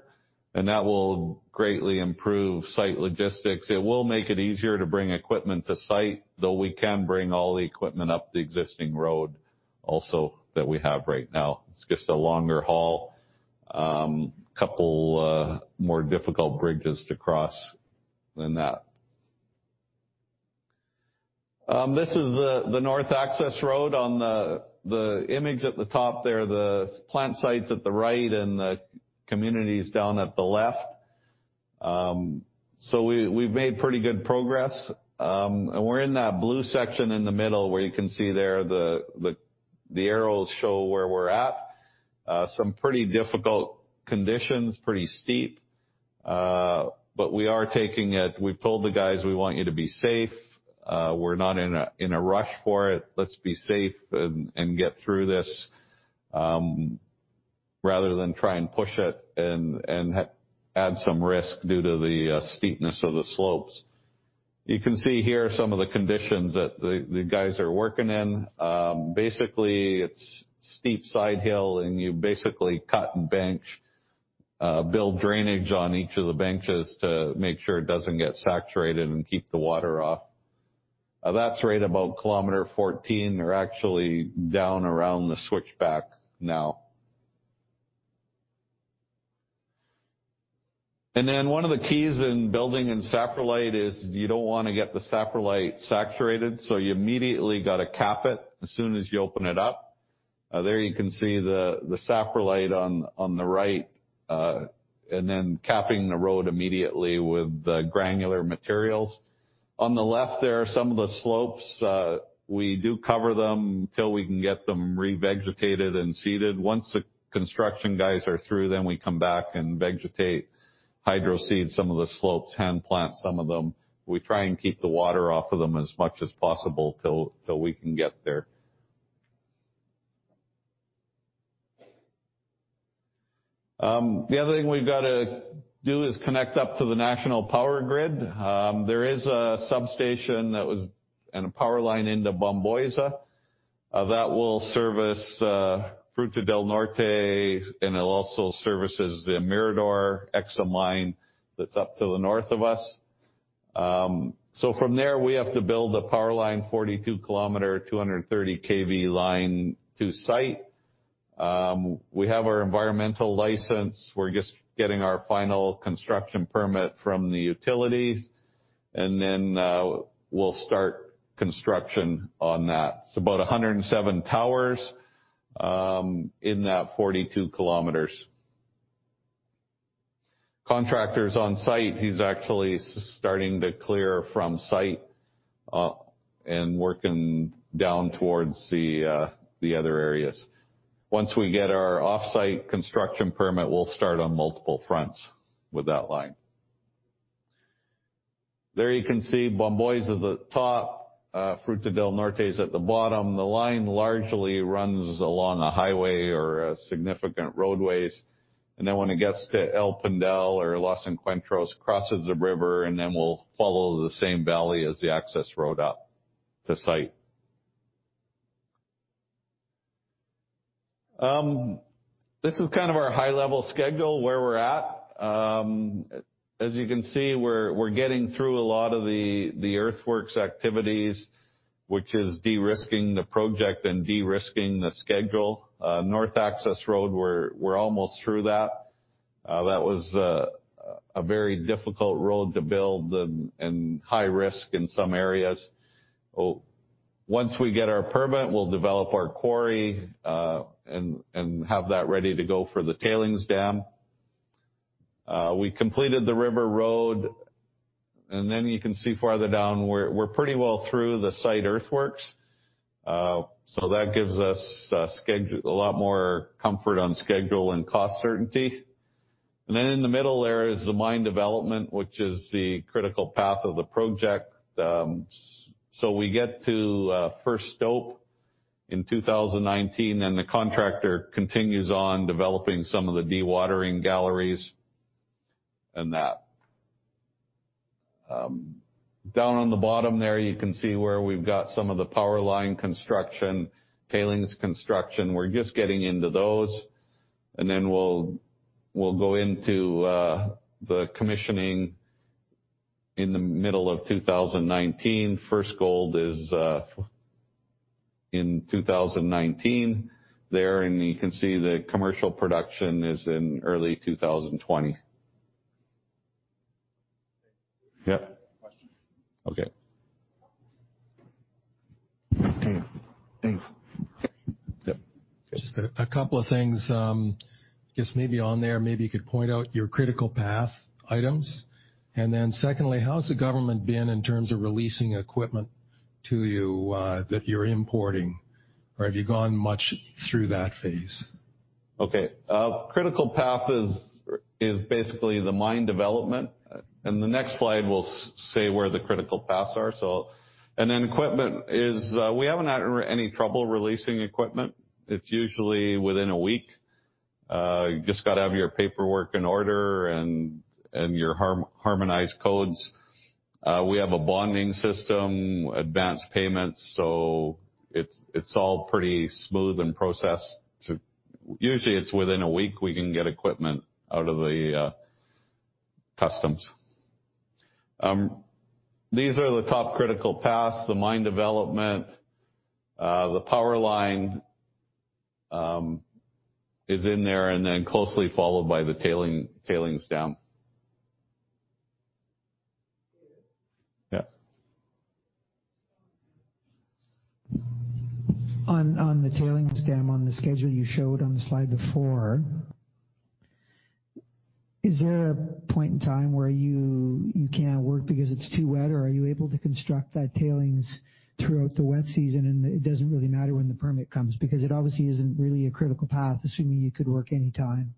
and that will greatly improve site logistics. It will make it easier to bring equipment to site, though we can bring all the equipment up the existing road also that we have right now. It's just a longer haul. Couple more difficult bridges to cross than that. This is the north access road on the image at the top there. The plant site's at the right and the community is down at the left. We've made pretty good progress. We're in that blue section in the middle, where you can see there, the arrows show where we're at, some pretty difficult conditions, pretty steep. We are taking it. We've told the guys, "We want you to be safe. We're not in a rush for it. Let's be safe and get through this, rather than try and push it and add some risk due to the steepness of the slopes. You can see here some of the conditions that the guys are working in. Basically it's steep sidehill, you basically cut and bench, build drainage on each of the benches to make sure it doesn't get saturated and keep the water off. That's right about 14 km. They're actually down around the switchback now. Then one of the keys in building in saprolite is you don't want to get the saprolite saturated, so you immediately got to cap it as soon as you open it up. There you can see the saprolite on the right capping the road immediately with the granular materials. On the left there are some of the slopes. We do cover them till we can get them revegetated and seeded. Once the construction guys are through, we come back and vegetate, hydroseed some of the slopes, hand plant some of them. We try and keep the water off of them as much as possible till we can get there. The other thing we've got to do is connect up to the national power grid. There is a substation and a power line into Bomboiza that will service Fruta del Norte, and it also services the Mirador mine that's up to the north of us. From there we have to build a power line, 42-kilometer, 230 kV line to site. We have our environmental license. We're just getting our final construction permit from the utilities, we'll start construction on that. It's about 107 towers in that 42 kilometers. Contractor's on site. He's actually starting to clear from site up and working down towards the other areas. Once we get our offsite construction permit, we'll start on multiple fronts with that line. There you can see Bomboiza at the top, Fruta del Norte's at the bottom. The line largely runs along a highway or significant roadways, and then when it gets to El Pangui or Los Encuentros, crosses the river and then will follow the same valley as the access road up to site. This is kind of our high-level schedule, where we're at. As you can see, we're getting through a lot of the earthworks activities, which is de-risking the project and de-risking the schedule. North access road, we're almost through that. That was a very difficult road to build and high risk in some areas. Once we get our permit, we'll develop our quarry and have that ready to go for the tailings dam. We completed the river road. You can see farther down, we're pretty well through the site earthworks. That gives us a lot more comfort on schedule and cost certainty. In the middle there is the mine development, which is the critical path of the project. We get to first stope in 2019. The contractor continues on developing some of the dewatering galleries. Down on the bottom there, you can see where we've got some of the power line construction, tailings construction. We're just getting into those. We'll go into the commissioning in the middle of 2019. First gold is in 2019 there. You can see the commercial production is in early 2020. Yep. Question. Okay. Yep. Just a couple of things. Just maybe on there, maybe you could point out your critical path items. Secondly, how has the government been in terms of releasing equipment to you that you're importing, or have you gone much through that phase? Okay. Critical path is basically the mine development. The next slide will say where the critical paths are. Equipment is, we haven't had any trouble releasing equipment. It's usually within a week. You just got to have your paperwork in order and your harmonized codes. We have a bonding system, advanced payments, so it's all pretty smooth in process. Usually it's within a week, we can get equipment out of the customs. These are the top critical paths, the mine development, the power line is in there, and then closely followed by the tailings dam. Yeah. On the tailings dam, on the schedule you showed on the slide before, is there a point in time where you can't work because it's too wet, or are you able to construct that tailings throughout the wet season, and it doesn't really matter when the permit comes? It obviously isn't really a critical path, assuming you could work anytime.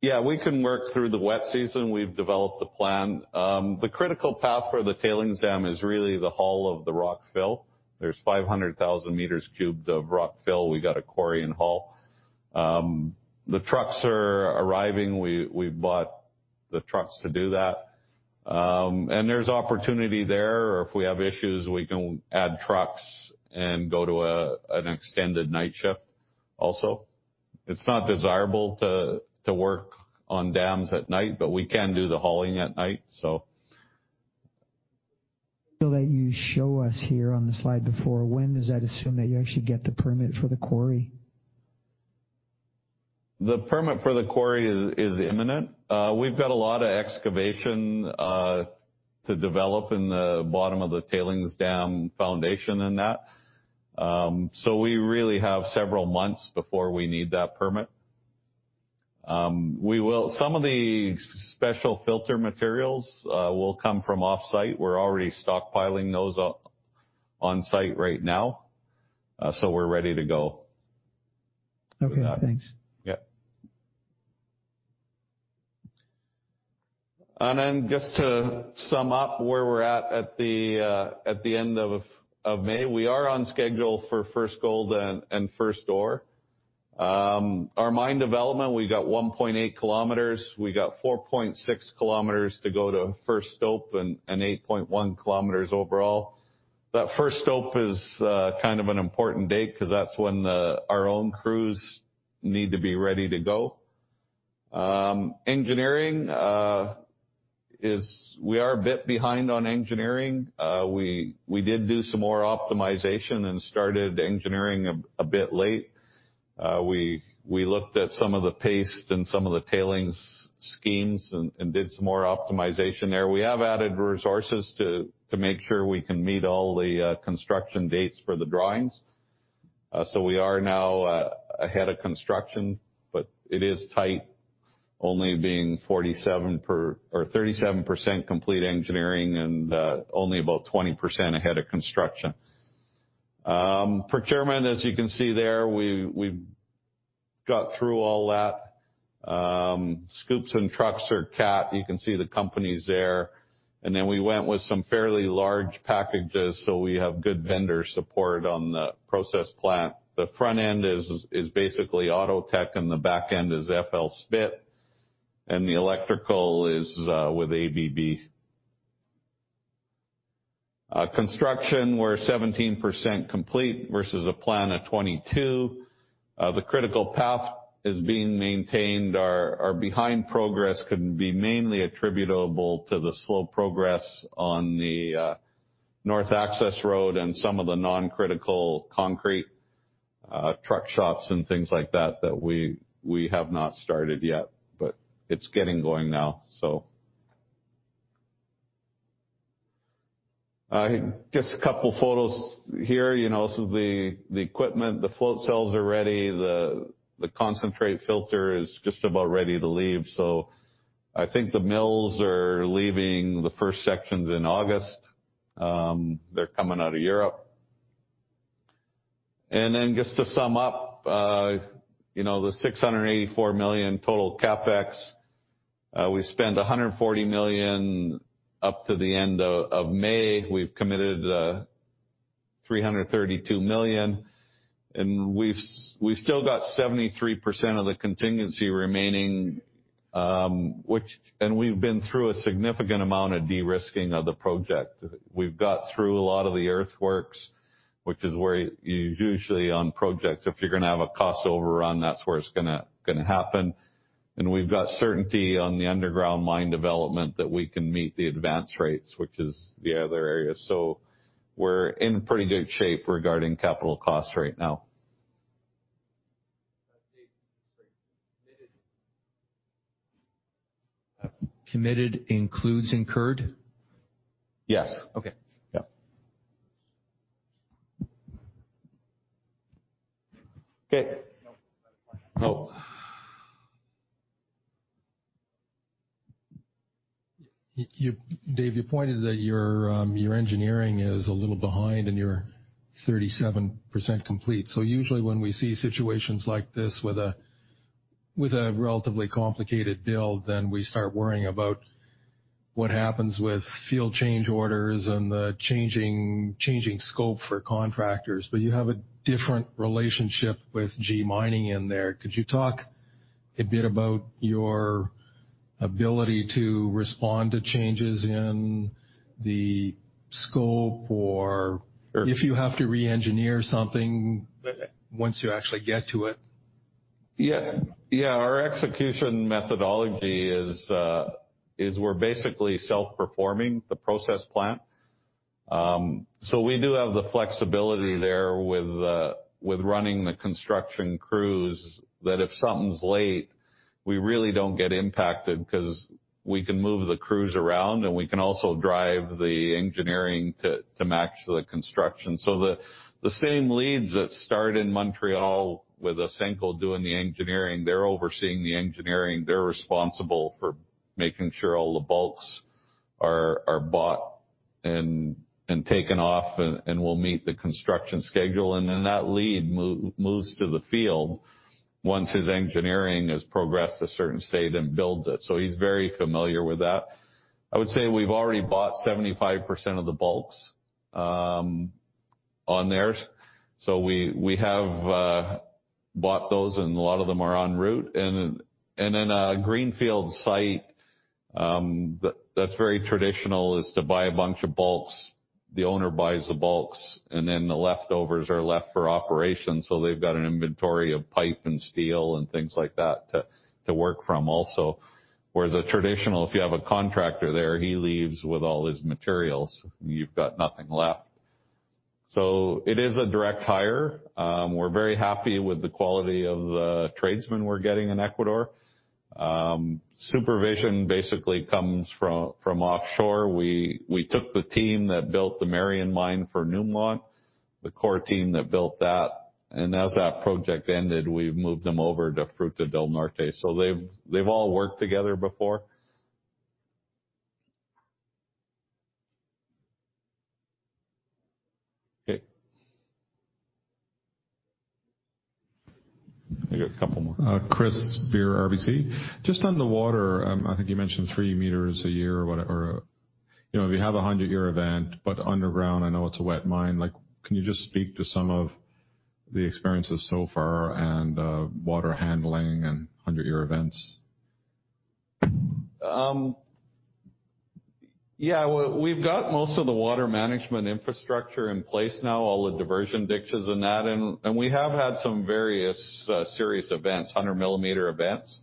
Yeah, we can work through the wet season. We've developed a plan. The critical path for the tailings dam is really the haul of the rock fill. There's 500,000 meters cubed of rock fill. We got a quarry and haul. The trucks are arriving. We bought the trucks to do that. There's opportunity there, or if we have issues, we can add trucks and go to an extended night shift also. It's not desirable to work on dams at night, but we can do the hauling at night. That you show us here on the slide before, when does that assume that you actually get the permit for the quarry? The permit for the quarry is imminent. We've got a lot of excavation to develop in the bottom of the tailings dam foundation and that. We really have several months before we need that permit. Some of the special filter materials will come from offsite. We're already stockpiling those on site right now. We're ready to go. Okay, thanks. Yeah. Then just to sum up where we're at the end of May, we are on schedule for first gold and first ore. Our mine development, we got 1.8 km. We got 4.6 km to go to first stope and 8.1 km overall. That first stope is kind of an important date because that's when our own crews need to be ready to go. We are a bit behind on engineering. We did do some more optimization and started engineering a bit late. We looked at some of the paste and some of the tailings schemes and did some more optimization there. We have added resources to make sure we can meet all the construction dates for the drawings. We are now ahead of construction, but it is tight only being 37% complete engineering and only about 20% ahead of construction. Procurement, as you can see there, we got through all that. Scoops and trucks are Caterpillar. You can see the companies there. Then we went with some fairly large packages, so we have good vendor support on the process plant. The front end is basically Outotec and the back end is FLSmidth, and the electrical is with ABB. Construction, we're 17% complete versus a plan of 22%. The critical path is being maintained. Our behind progress can be mainly attributable to the slow progress on the north access road and some of the non-critical concrete truck shops and things like that we have not started yet, but it's getting going now. Just a couple photos here. The equipment, the float cells are ready. The concentrate filter is just about ready to leave. I think the mills are leaving the first sections in August. They're coming out of Europe. Just to sum up, the $684 million total CapEx, we spent $140 million up to the end of May. We've committed $332 million, and we've still got 73% of the contingency remaining, and we've been through a significant amount of de-risking of the project. We've got through a lot of the earthworks, which is where you usually on projects, if you're going to have a cost overrun, that's where it's going to happen. We've got certainty on the underground mine development that we can meet the advance rates, which is the other area. We're in pretty good shape regarding capital costs right now. Dave, sorry. Committed. Committed includes incurred? Yes. Okay. Yeah. Okay. No. I had a question. Oh. Dave, you pointed that your engineering is a little behind and you're 37% complete. Usually when we see situations like this with a relatively complicated build, then we start worrying about what happens with field change orders and the changing scope for contractors. You have a different relationship with G Mining in there. Could you talk a bit about your ability to respond to changes in the scope or if you have to re-engineer something once you actually get to it? Our execution methodology is we're basically self-performing the process plant. We do have the flexibility there with running the construction crews, that if something's late, we really don't get impacted because we can move the crews around, and we can also drive the engineering to match the construction. The same leads that start in Montreal with Ausenco doing the engineering, they're overseeing the engineering, they're responsible for making sure all the bulks are bought and taken off and will meet the construction schedule. That lead moves to the field once his engineering has progressed to a certain state and builds it. He's very familiar with that. I would say we've already bought 75% of the bulks on theirs. We have bought those, and a lot of them are en route. In a greenfield site, that's very traditional is to buy a bunch of bulks. The owner buys the bulks, and then the leftovers are left for operations, so they've got an inventory of pipe and steel and things like that to work from also. Whereas a traditional, if you have a contractor there, he leaves with all his materials. You've got nothing left. It is a direct hire. We're very happy with the quality of the tradesmen we're getting in Ecuador. Supervision basically comes from offshore. We took the team that built the Merian Mine for Newmont, the core team that built that, and as that project ended, we've moved them over to Fruta del Norte. They've all worked together before. Okay. I got a couple more. Chris Beer, RBC. Just on the water, I think you mentioned three meters a year or, if you have a 100-year event, but underground, I know it's a wet mine. Can you just speak to some of the experiences so far and water handling and 100-year events? Yeah. We've got most of the water management infrastructure in place now, all the diversion ditches and that, we have had some various serious events, 100-millimeter events,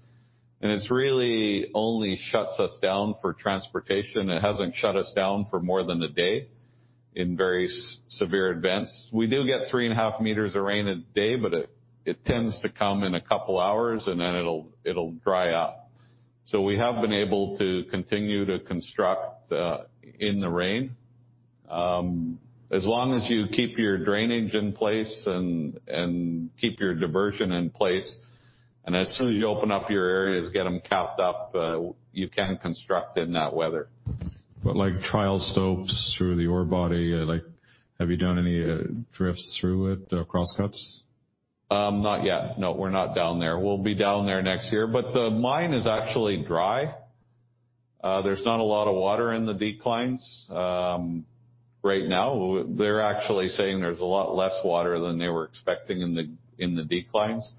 it's really only shuts us down for transportation. It hasn't shut us down for more than a day in various severe events. We do get three and a half meters of rain a day, it tends to come in a couple hours, it'll dry up. We have been able to continue to construct in the rain. As long as you keep your drainage in place and keep your diversion in place, as soon as you open up your areas, get them capped up, you can construct in that weather. Trial stopes through the ore body, have you done any drifts through it or crosscuts? Not yet. No, we're not down there. We'll be down there next year. The mine is actually dry. There's not a lot of water in the declines right now. They're actually saying there's a lot less water than they were expecting in the declines.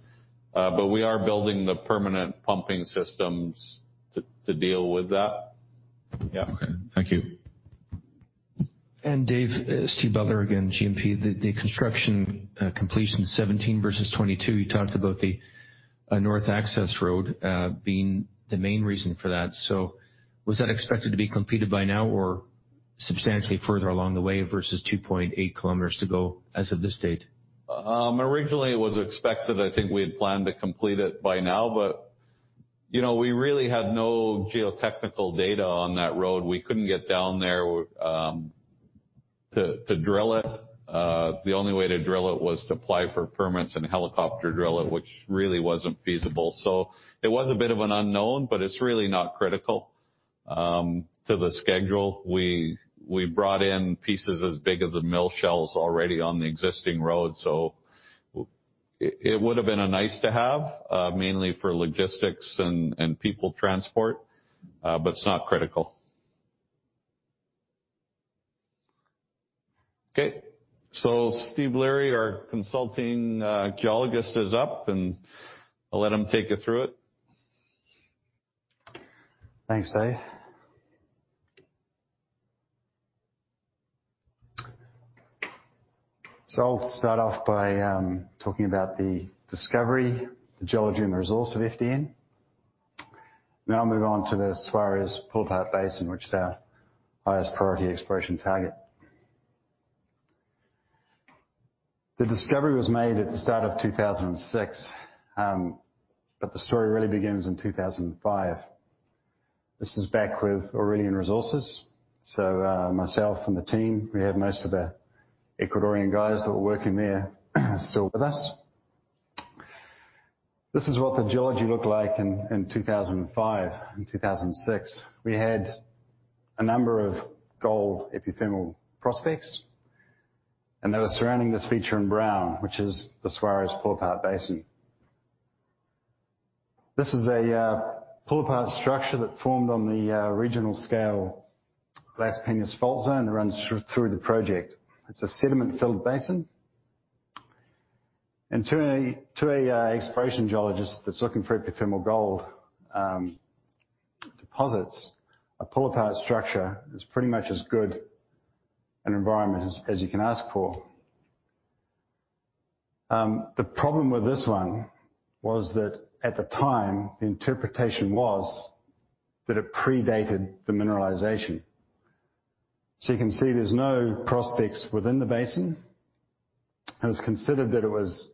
We are building the permanent pumping systems to deal with that. Yeah. Okay. Thank you. Dave, Steve Butler again, GMP. The construction completion 17 versus 22, you talked about the North Access Road being the main reason for that. Was that expected to be completed by now or substantially further along the way versus 2.8 km to go as of this date? Originally, it was expected, I think we had planned to complete it by now, but we really had no geotechnical data on that road. We couldn't get down there to drill it. The only way to drill it was to apply for permits and helicopter drill it, which really wasn't feasible. It was a bit of an unknown, but it's really not critical to the schedule. We brought in pieces as big as the mill shells already on the existing road, so it would've been a nice to have, mainly for logistics and people transport, but it's not critical. Okay. Stephen Leary, our consulting geologist, is up, and I'll let him take you through it. Thanks, Dave. I'll start off by talking about the discovery, the geology, and the resource of FDN. I'll move on to the Suarez pull-apart basin, which is our highest priority exploration target. The discovery was made at the start of 2006. The story really begins in 2005. This is back with Aurelian Resources. Myself and the team, we have most of the Ecuadorian guys that were working there still with us. This is what the geology looked like in 2005 and 2006. We had a number of gold epithermal prospects, and they were surrounding this feature in brown, which is the Suarez pull-apart basin. This is a pull-apart structure that formed on the regional scale Las Peñas fault zone that runs through the project. It's a sediment-filled basin. To an exploration geologist that's looking for epithermal gold deposits, a pull-apart structure is pretty much as good an environment as you can ask for. The problem with this one was that at the time, the interpretation was that it predated the mineralization. You can see there's no prospects within the basin. It's considered that it was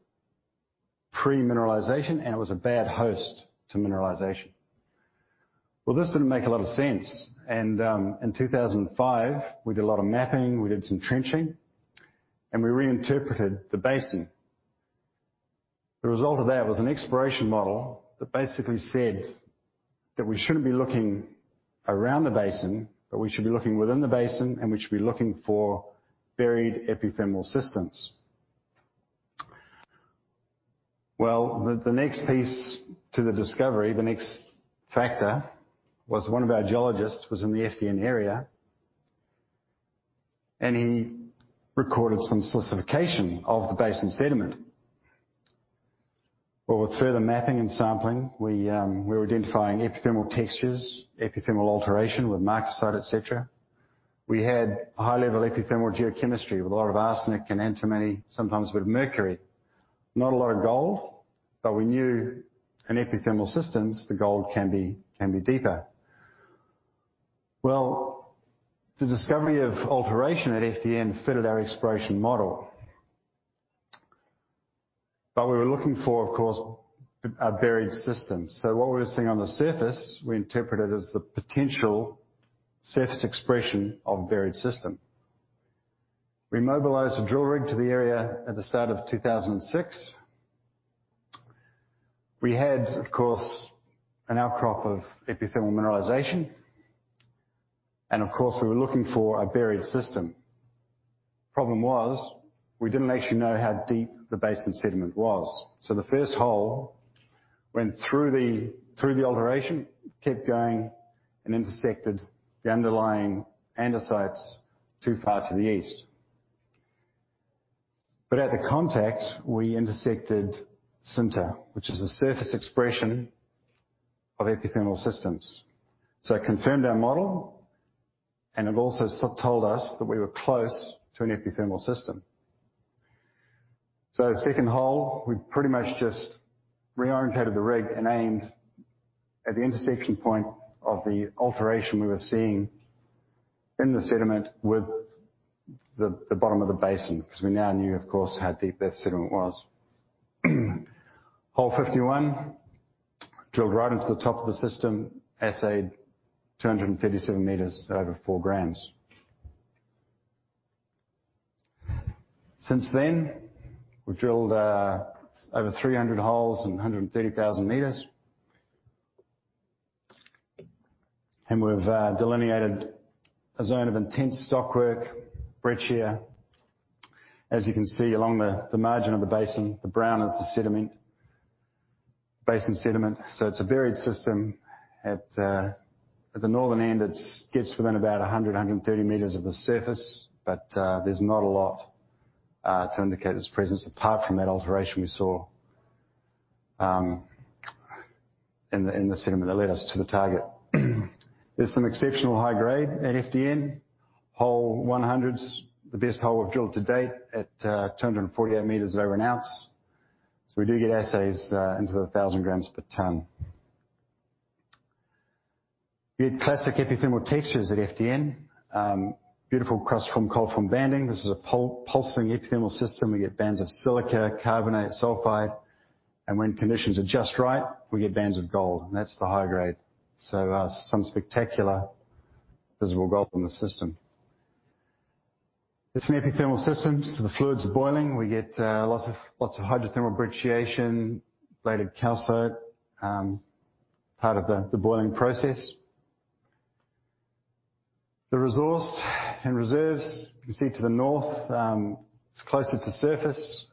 pre-mineralization, and it was a bad host to mineralization. This didn't make a lot of sense. In 2005, we did a lot of mapping, we did some trenching, and we reinterpreted the basin. The result of that was an exploration model that basically said that we shouldn't be looking around the basin, but we should be looking within the basin, and we should be looking for buried epithermal systems. Well, the next piece to the discovery, the next factor, was one of our geologists was in the FDN area, and he recorded some silicification of the basin sediment. Well, with further mapping and sampling, we were identifying epithermal textures, epithermal alteration with marcasite, et cetera. We had a high-level epithermal geochemistry with a lot of arsenic and antimony, sometimes with mercury. Not a lot of gold. We knew in epithermal systems, the gold can be deeper. Well, the discovery of alteration at FDN fitted our exploration model. We were looking for, of course, a buried system. What we were seeing on the surface, we interpreted as the potential surface expression of a buried system. We mobilized a drill rig to the area at the start of 2006. We had, of course, an outcrop of epithermal mineralization. Of course, we were looking for a buried system. Problem was, we didn't actually know how deep the basin sediment was. The first hole went through the alteration, kept going, and intersected the underlying andesite too far to the east. At the contact, we intersected sinter, which is a surface expression of epithermal systems. It confirmed our model, and it also told us that we were close to an epithermal system. The second hole, we pretty much just reoriented the rig and aimed at the intersection point of the alteration we were seeing in the sediment with the bottom of the basin, because we now knew, of course, how deep that sediment was. Hole 51 drilled right into the top of the system, assayed 237 meters at over four grams. Since then, we've drilled over 300 holes and 130,000 meters. We've delineated a zone of intense stockwork, breccia. As you can see along the margin of the basin, the brown is the basin sediment. It's a buried system. At the northern end, it gets within about 100, 130 meters of the surface. There's not a lot to indicate its presence apart from that alteration we saw in the sediment that led us to the target. There's some exceptional high grade at FDN. Hole 100's the best hole we've drilled to date at 248 meters at over an ounce. We do get assays into the 1,000 grams per ton. We had classic epithermal textures at FDN. Beautiful crustiform, colloform banding. This is a pulsing epithermal system. We get bands of silica, carbonate, sulfide. When conditions are just right, we get bands of gold. That's the high grade. Some spectacular visible gold in the system. This is an epithermal system, so the fluid's boiling. We get lots of hydrothermal brecciation, bladed calcite, part of the boiling process. The resource and reserves, you can see to the north, it's closer to surface.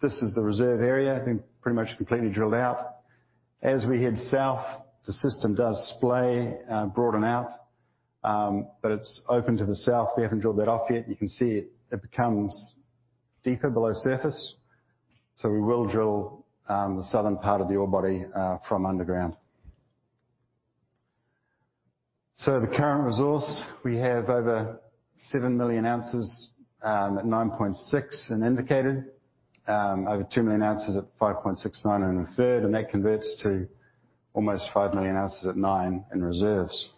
This is the reserve area, been pretty much completely drilled out. As we head south, the system does splay, broaden out, but it's open to the south. We haven't drilled that off yet. You can see it becomes deeper below surface. We will drill the southern part of the ore body from underground. The current resource, we have over 7 million ounces, at 9.6 in indicated. Over 2 million ounces at 5.69 inferred, that converts to almost 5 million ounces at 9 in reserves.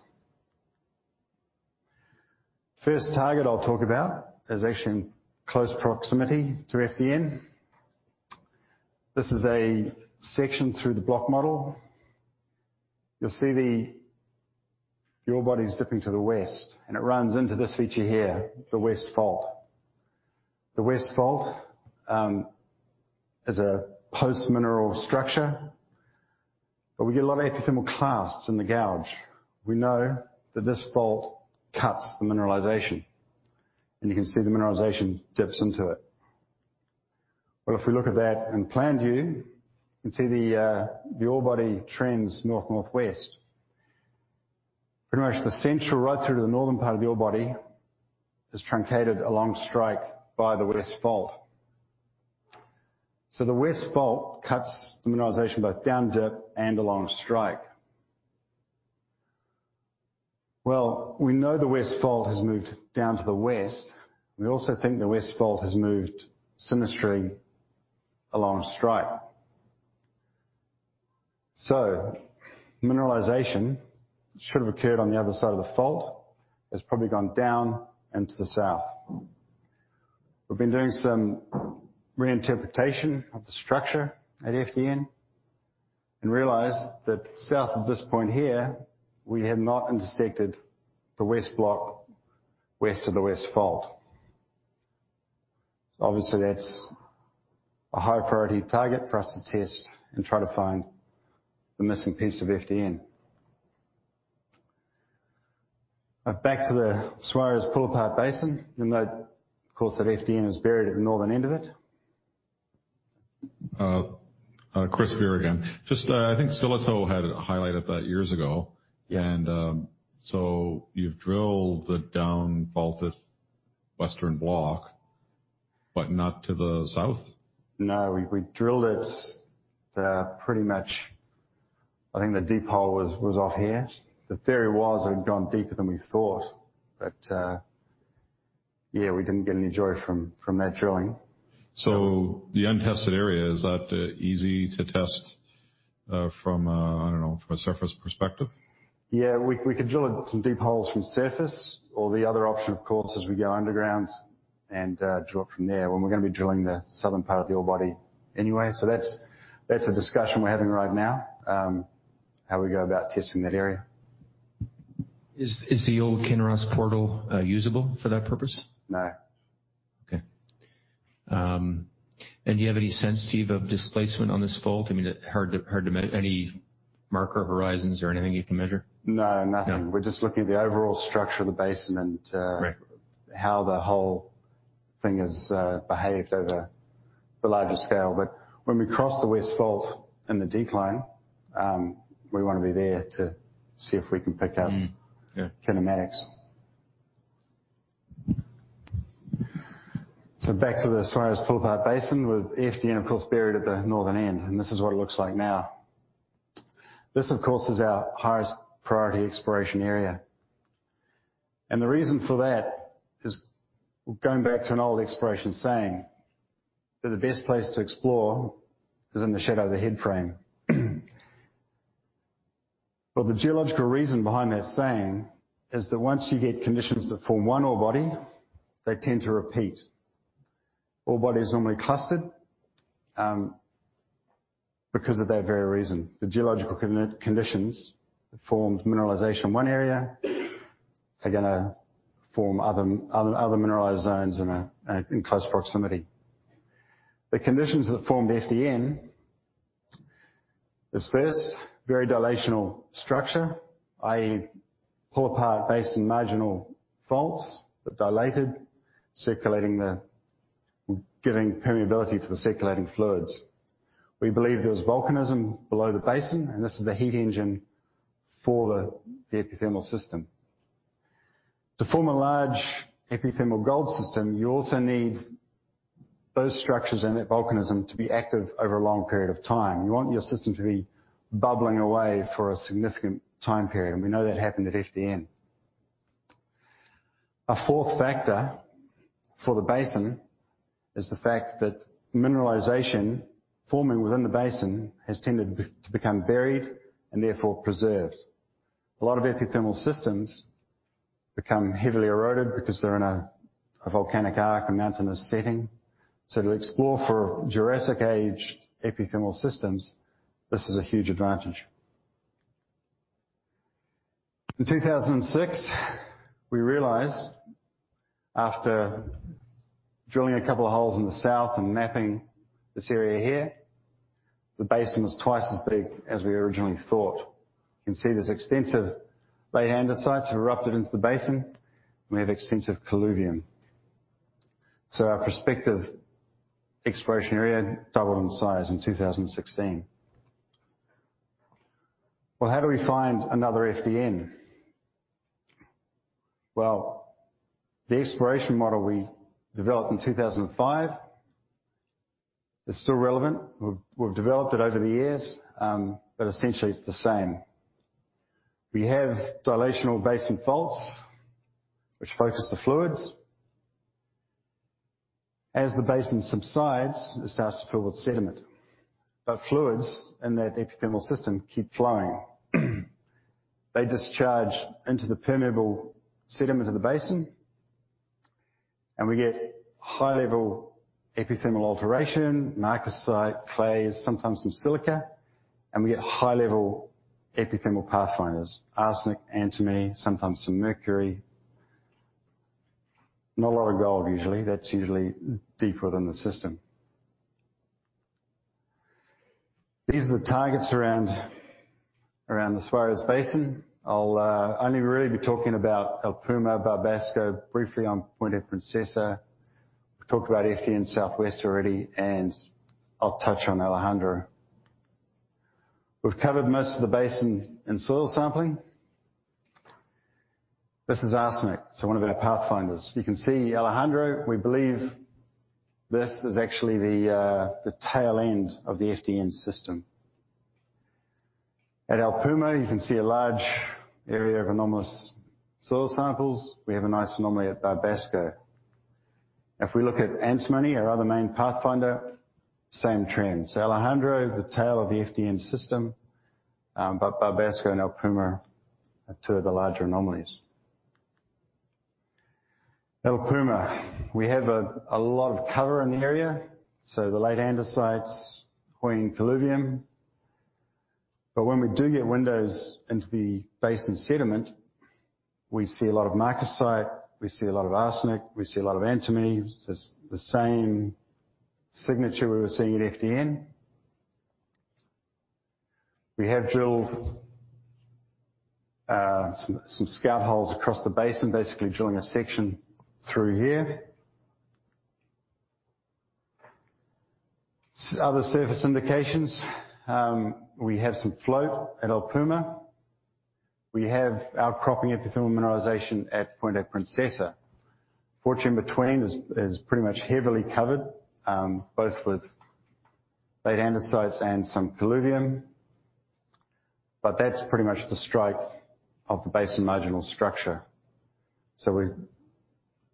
First target I'll talk about is actually in close proximity to FDN. This is a section through the block model. You'll see the ore body's dipping to the west, and it runs into this feature here, the west fault. The west fault is a post-mineral structure, but we get a lot of epithermal clasts in the gouge. We know that this fault cuts the mineralization. You can see the mineralization dips into it. If we look at that in plan view, you can see the ore body trends north, northwest. Pretty much the central right through to the northern part of the ore body is truncated along strike by the west fault. The west fault cuts the mineralization both down-dip and along strike. Well, we know the west fault has moved down to the west. We also think the west fault has moved sinistrally along strike. Mineralization should have occurred on the other side of the fault, has probably gone down into the south. We've been doing some reinterpretation of the structure at FDN and realized that south of this point here, we have not intersected the west block, west of the west fault. Obviously, that's a high-priority target for us to test and try to find the missing piece of FDN. Back to the Suarez pull-apart basin, even though, of course, that FDN is buried at the northern end of it. Chris here again. Just, I think Sillitoe had highlighted that years ago. Yeah. You've drilled the down-faulted western block, but not to the south. No. We drilled it, pretty much, I think the deep hole was off here. The theory was it had gone deeper than we thought. Yeah, we didn't get any joy from that drilling. The untested area, is that easy to test, from a, I don't know, from a surface perspective? Yeah. We could drill some deep holes from surface or the other option, of course, is we go underground and drill it from there. We're gonna be drilling the southern part of the ore body anyway. That's a discussion we're having right now, how we go about testing that area. Is the old Kinross portal usable for that purpose? No. Okay. Do you have any sense, Steve, of displacement on this fault? I mean, hard to measure any marker horizons or anything you can measure? No, nothing. No. We're just looking at the overall structure of the basin and- Right how the whole thing has behaved over the larger scale. When we cross the west fault in the decline, we want to be there to see if we can pick up- Mm-hmm. Yeah. kinematics. Back to the Suarez pull-apart basin with FDN, of course, buried at the northern end. This is what it looks like now. This, of course, is our highest priority exploration area. The reason for that is going back to an old exploration saying that the best place to explore is in the shadow of the head-frame. The geological reason behind that saying is that once you get conditions that form one ore body, they tend to repeat. Ore bodies are normally clustered, because of that very reason. The geological conditions that formed mineralization in one area are gonna form other mineralized zones in close proximity. The conditions that formed FDN is first, very dilational structure, i.e., pull-apart basin marginal faults that dilated, giving permeability for the circulating fluids. We believe there was volcanism below the basin, and this is the heat engine for the epithermal system. To form a large epithermal gold system, you also need those structures and that volcanism to be active over a long period of time. You want your system to be bubbling away for a significant time period. We know that happened at FDN. A fourth factor for the basin is the fact that mineralization forming within the basin has tended to become buried and therefore preserved. A lot of epithermal systems become heavily eroded because they're in a volcanic arc, a mountainous setting. To explore for Jurassic Age epithermal systems, this is a huge advantage. In 2006, we realized after drilling a couple of holes in the south and mapping this area here, the basin was twice as big as we originally thought. You can see there's extensive rhyolite have erupted into the basin, and we have extensive colluvium. Our prospective exploration area doubled in size in 2016. Well, how do we find another FDN? Well, the exploration model we developed in 2005, it's still relevant. We've developed it over the years, but essentially it's the same. We have dilational basin faults which focus the fluids. As the basin subsides, it starts to fill with sediment. Fluids in that epithermal system keep flowing. They discharge into the permeable sediment of the basin, and we get high-level epithermal alteration, marcasite, clays, sometimes some silica, and we get high-level epithermal pathfinders, arsenic, antimony, sometimes some mercury. Not a lot of gold usually. That's usually deeper within the system. These are the targets around the Suarez Basin. I'll only really be talking about El Puma, Barbasco, briefly on Punta Princesa. We've talked about FDN Southwest already, and I'll touch on Alessandro. We've covered most of the basin in soil sampling. This is arsenic, so one of our pathfinders. You can see Alessandro. We believe this is actually the tail end of the FDN system. At El Puma, you can see a large area of anomalous soil samples. We have a nice anomaly at Barbasco. If we look at antimony, our other main pathfinder, same trend. Alessandro, the tail of the FDN system. Barbasco and El Puma are two of the larger anomalies. El Puma. We have a lot of cover in the area, the late andesite, covering colluvium. When we do get windows into the basin sediment, we see a lot of marcasite, we see a lot of arsenic, we see a lot of antimony. It's the same signature we were seeing at FDN. We have drilled some scout holes across the basin, basically drilling a section through here. Other surface indications. We have some float at El Puma. We have outcropping epithermal mineralization at Punta Princesa. The portion between is pretty much heavily covered, both with late andesite and some colluvium. That's pretty much the strike of the basin marginal structure.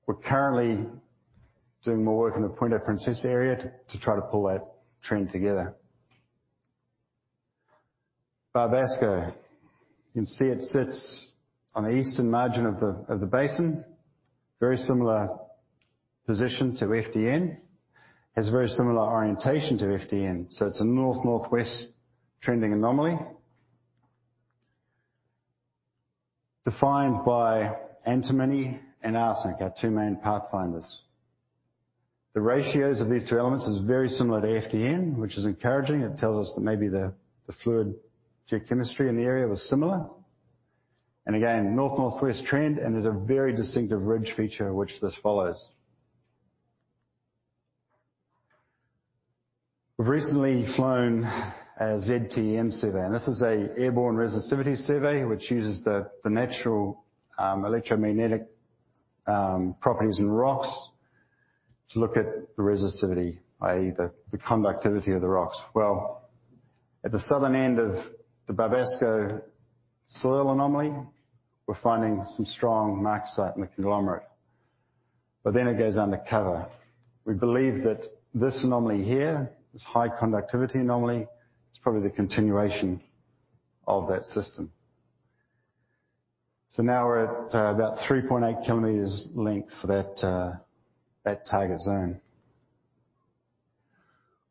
We're currently doing more work in the Punta Princesa area to try to pull that trend together. Barbasco. You can see it sits on the eastern margin of the basin. Very similar position to FDN. Has very similar orientation to FDN. It's a north-northwest trending anomaly, defined by antimony and arsenic, our two main pathfinders. The ratios of these two elements is very similar to FDN, which is encouraging. It tells us that maybe the fluid geochemistry in the area was similar. Again, north-northwest trend and there's a very distinctive ridge feature which this follows. We've recently flown a ZTEM survey, this is a airborne resistivity survey, which uses the natural electromagnetic properties in rocks to look at the resistivity, i.e., the conductivity of the rocks. At the southern end of the Barbasco soil anomaly, we're finding some strong marcasite in the conglomerate. It goes under cover. We believe that this anomaly here, this high conductivity anomaly, is probably the continuation of that system. We're at about 3.8 km length for that target zone.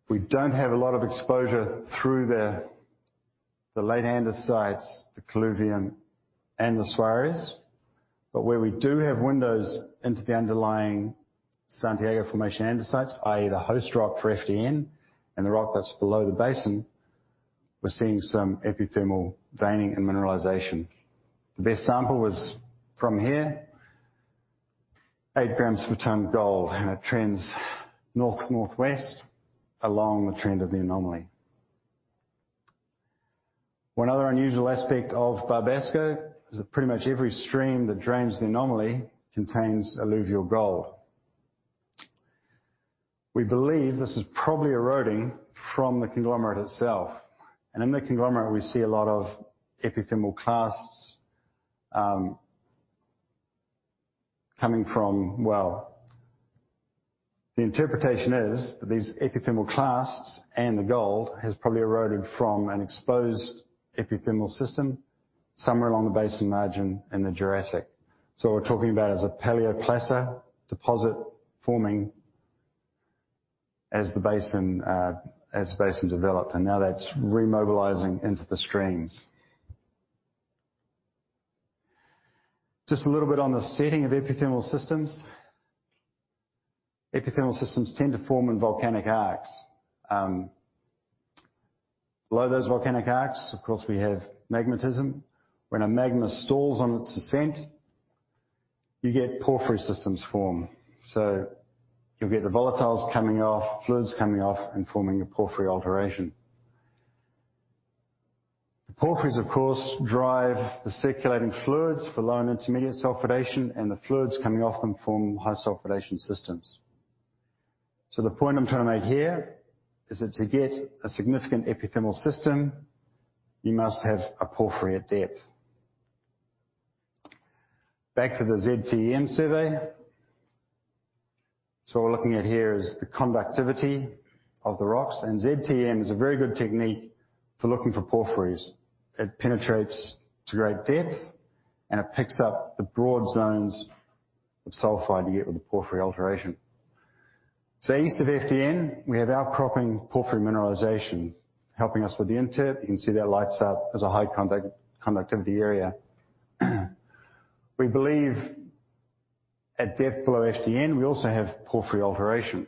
We don't have a lot of exposure through the late andesite, the colluvium and the Suarez. Where we do have windows into the underlying Santiago Formation andesite, i.e. the host rock for FDN and the rock that's below the basin, we're seeing some epithermal veining and mineralization. The best sample was from here, eight grams per tonne gold. It trends north-northwest along the trend of the anomaly. One other unusual aspect of Barbasco is that pretty much every stream that drains the anomaly contains alluvial gold. We believe this is probably eroding from the conglomerate itself. In the conglomerate we see a lot of epithermal clasts coming from, well, the interpretation is that these epithermal clasts and the gold has probably eroded from an exposed epithermal system somewhere along the basin margin in the Jurassic. What we're talking about is a paleoplacer deposit forming as the basin developed, and now that's remobilizing into the streams. Just a little bit on the setting of epithermal systems. Epithermal systems tend to form in volcanic arcs. Below those volcanic arcs, of course, we have magmatism. When a magma stalls on its ascent, you get porphyry systems form. You'll get the volatiles coming off, fluids coming off, and forming a porphyry alteration. The porphyries, of course, drive the circulating fluids for low and intermediate sulfidation, and the fluids coming off them form high sulfidation systems. The point I'm trying to make here is that to get a significant epithermal system, you must have a porphyry at depth. Back to the ZTEM survey. What we're looking at here is the conductivity of the rocks, and ZTEM is a very good technique for looking for porphyries. It penetrates to great depth and it picks up the broad zones of sulfide you get with the porphyry alteration. East of FDN, we have outcropping porphyry mineralization helping us with the interpret. You can see that lights up as a high-conductivity area. We believe at depth below FDN, we also have porphyry alteration.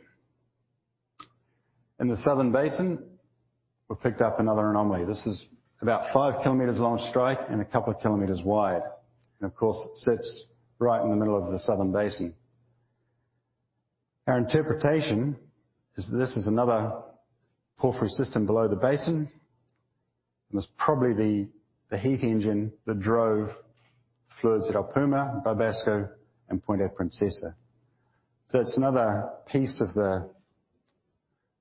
In the southern basin, we've picked up another anomaly. This is about five kilometers long strike and a couple of kilometers wide, and of course, it sits right in the middle of the southern basin. Our interpretation is this is another porphyry system below the basin, and it's probably the heat engine that drove the fluids at El Puma, Barbasco, and Punta Princesa. It's another piece of the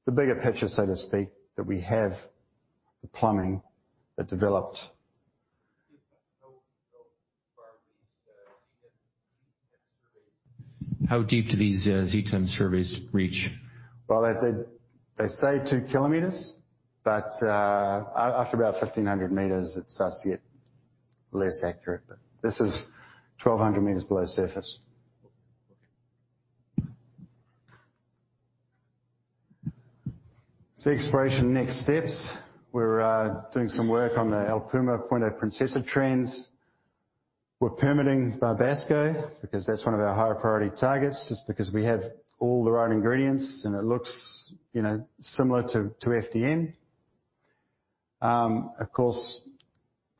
bigger picture, so to speak, that we have the plumbing that developed. How deep do these ZTEM surveys reach? Well, they say two kilometers, but after about 1,500 meters, it starts to get less accurate. This is 1,200 meters below surface. Okay. The exploration next steps. We're doing some work on the El Puma, Punta Princesa trends. We're permitting Barbasco because that's one of our higher priority targets, just because we have all the right ingredients and it looks similar to FDN. The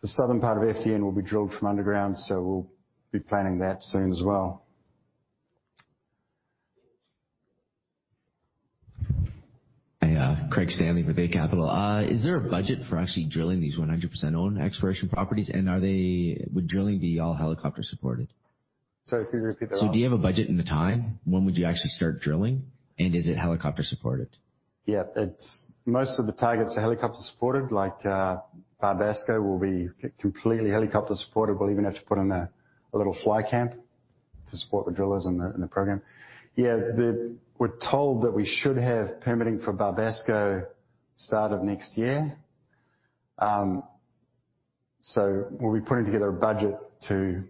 southern part of FDN will be drilled from underground, so we'll be planning that soon as well. Hey. Craig Stanley with Eight Capital. Is there a budget for actually drilling these 100% owned exploration properties, and would drilling be all helicopter-supported? Sorry, could you repeat that last- Do you have a budget and a time? When would you actually start drilling? Is it helicopter-supported? Yeah. Most of the targets are helicopter-supported. Like Barbasco will be completely helicopter-supported. We'll even have to put in a little fly camp to support the drillers in the program. Yeah. We're told that we should have permitting for Barbasco start of next year. We'll be putting together a budget to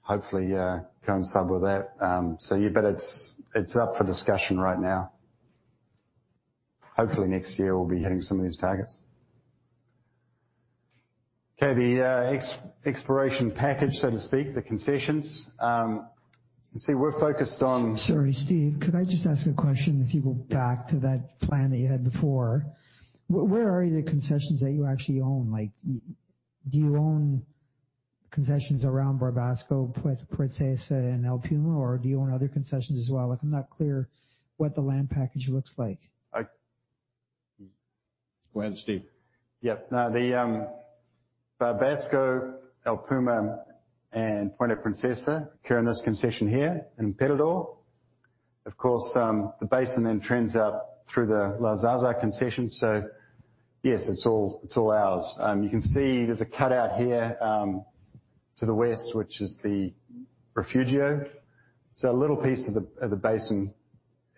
hopefully coincide with that. Yeah, it's up for discussion right now. Hopefully, next year we'll be hitting some of these targets. Okay. The exploration package, so to speak, the concessions. Sorry, Steve. Could I just ask a question? If you go back to that plan that you had before, where are the concessions that you actually own? Do you own concessions around Barbasco, Punta Princesa, and El Puma, or do you own other concessions as well? I'm not clear what the land package looks like. Go ahead, Steve. Yep. The Barbasco, El Puma, and Punta Princesa occur in this concession here, Emperador. Of course, the basin then trends out through the La Zarza concession. Yes, it's all ours. You can see there's a cutout here to the west, which is the Refugio. A little piece of the basin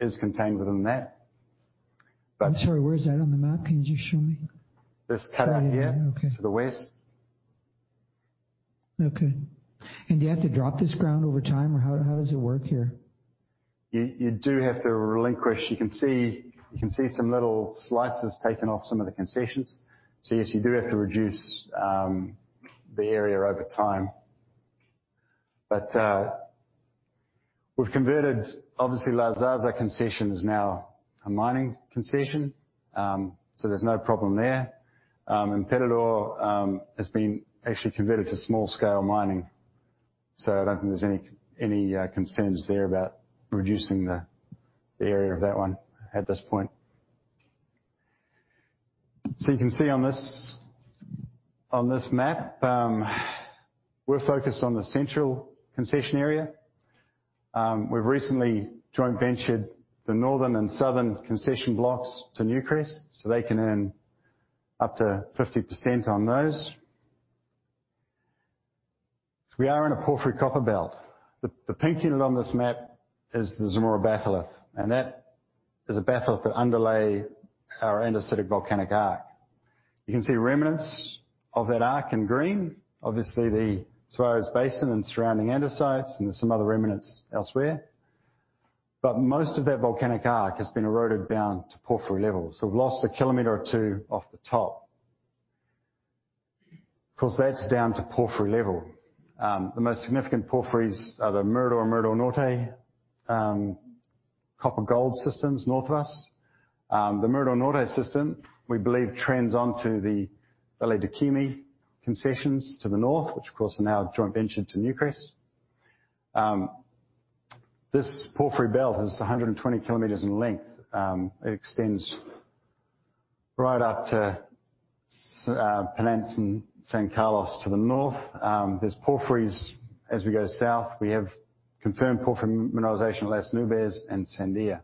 is contained within that. I'm sorry, where is that on the map? Can you just show me? This cutout here. Right here. Okay. to the west. Okay. Do you have to drop this ground over time, or how does it work here? You do have to relinquish. You can see some little slices taken off some of the concessions. Yes, you do have to reduce the area over time. We've converted, obviously, Las Azas concession is now a mining concession. There's no problem there. Emperador has been actually converted to small-scale mining, I don't think there's any concerns there about reducing the area of that one at this point. You can see on this map, we're focused on the central concession area. We've recently joint ventured the northern and southern concession blocks to Newcrest so they can earn up to 50% on those. We are in a porphyry copper belt. The pink unit on this map is the Zamora Batholith, that is a batholith that underlay our andesitic volcanic arc. You can see remnants of that arc in green. Obviously, the Suarez Basin and surrounding andesites. There's some other remnants elsewhere. Most of that volcanic arc has been eroded down to porphyry levels. We've lost a kilometer or two off the top. Of course, that's down to porphyry level. The most significant porphyries are the Mirador Norte copper-gold systems north of us. The Mirador Norte system, we believe, trends onto the Valle del Quimi concessions to the north, which of course are now joint ventured to Newcrest. This porphyry belt is 120 kilometers in length. It extends right up to Panantza and San Carlos to the north. There's porphyries as we go south. We have confirmed porphyry mineralization at Las Nubes and Sandia.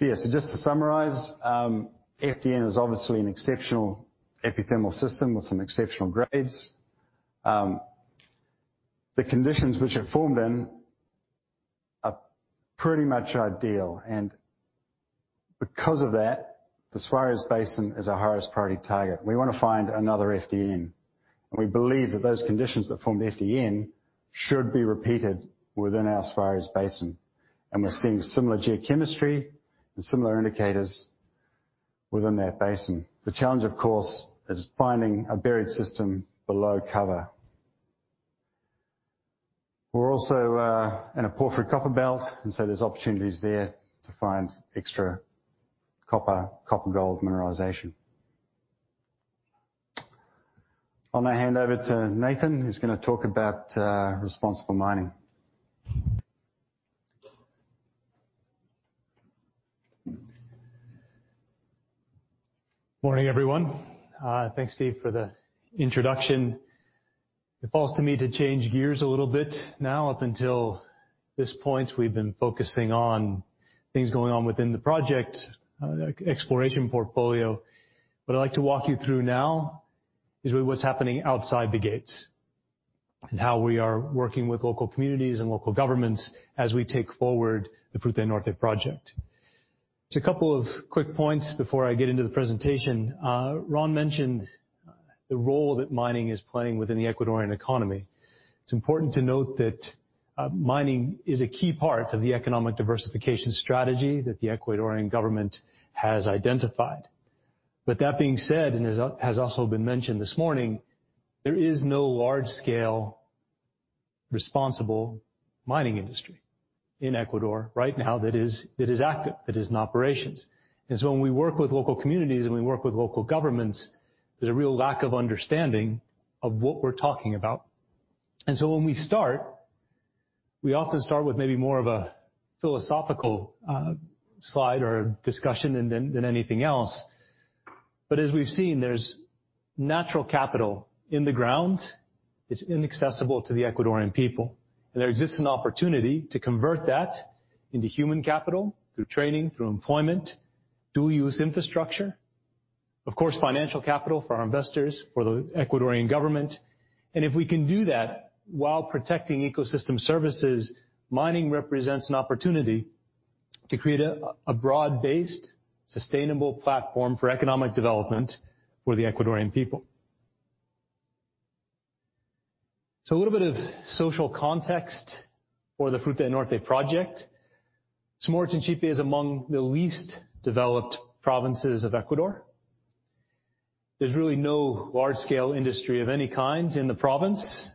Yeah. Just to summarize, FDN is obviously an exceptional epithermal system with some exceptional grades. The conditions which it formed in are pretty much ideal. Because of that, the Suarez Basin is our highest priority target. We want to find another FDN. We believe that those conditions that formed FDN should be repeated within our Suarez Basin. We're seeing similar geochemistry and similar indicators within that basin. The challenge, of course, is finding a buried system below cover. We're also in a porphyry copper belt, so there's opportunities there to find extra copper/gold mineralization. I'm going to hand over to Nathan, who's going to talk about responsible mining. Morning, everyone. Thanks, Steve, for the introduction. It falls to me to change gears a little bit now. Up until this point, we've been focusing on things going on within the project exploration portfolio. What I'd like to walk you through now is really what's happening outside the gates and how we are working with local communities and local governments as we take forward the Fruta del Norte project. Just a couple of quick points before I get into the presentation. Ron mentioned the role that mining is playing within the Ecuadorian economy. It's important to note that mining is a key part of the economic diversification strategy that the Ecuadorian government has identified. That being said, and has also been mentioned this morning, there is no large-scale responsible mining industry in Ecuador right now that is active, that is in operations. When we work with local communities and we work with local governments, there's a real lack of understanding of what we're talking about. When we start, we often start with maybe more of a philosophical slide or a discussion than anything else. As we've seen, there's natural capital in the ground. It's inaccessible to the Ecuadorian people, and there exists an opportunity to convert that into human capital through training, through employment, dual use infrastructure, of course, financial capital for our investors, for the Ecuadorian government. If we can do that while protecting ecosystem services, mining represents an opportunity to create a broad-based, sustainable platform for economic development for the Ecuadorian people. A little bit of social context for the Fruta del Norte project. Zamora Chinchipe is among the least developed provinces of Ecuador. There's really no large-scale industry of any kind in the province.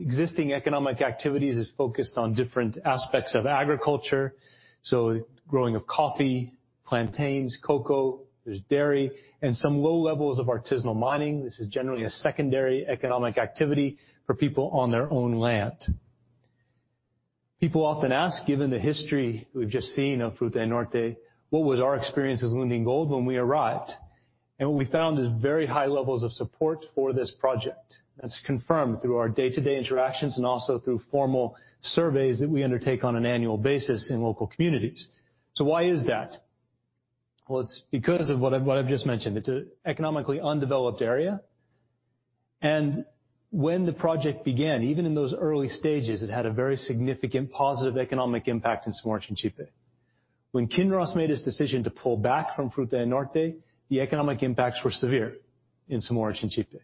Existing economic activities is focused on different aspects of agriculture, so growing of coffee, plantains, cocoa. There's dairy and some low levels of artisanal mining. This is generally a secondary economic activity for people on their own land. People often ask, given the history we've just seen of Fruta del Norte, what was our experience as Lundin Gold when we arrived? What we found is very high levels of support for this project. That's confirmed through our day-to-day interactions and also through formal surveys that we undertake on an annual basis in local communities. Why is that? Well, it's because of what I've just mentioned. It's an economically undeveloped area. When the project began, even in those early stages, it had a very significant positive economic impact in Zamora Chinchipe. When Kinross made its decision to pull back from Fruta del Norte, the economic impacts were severe in Zamora Chinchipe.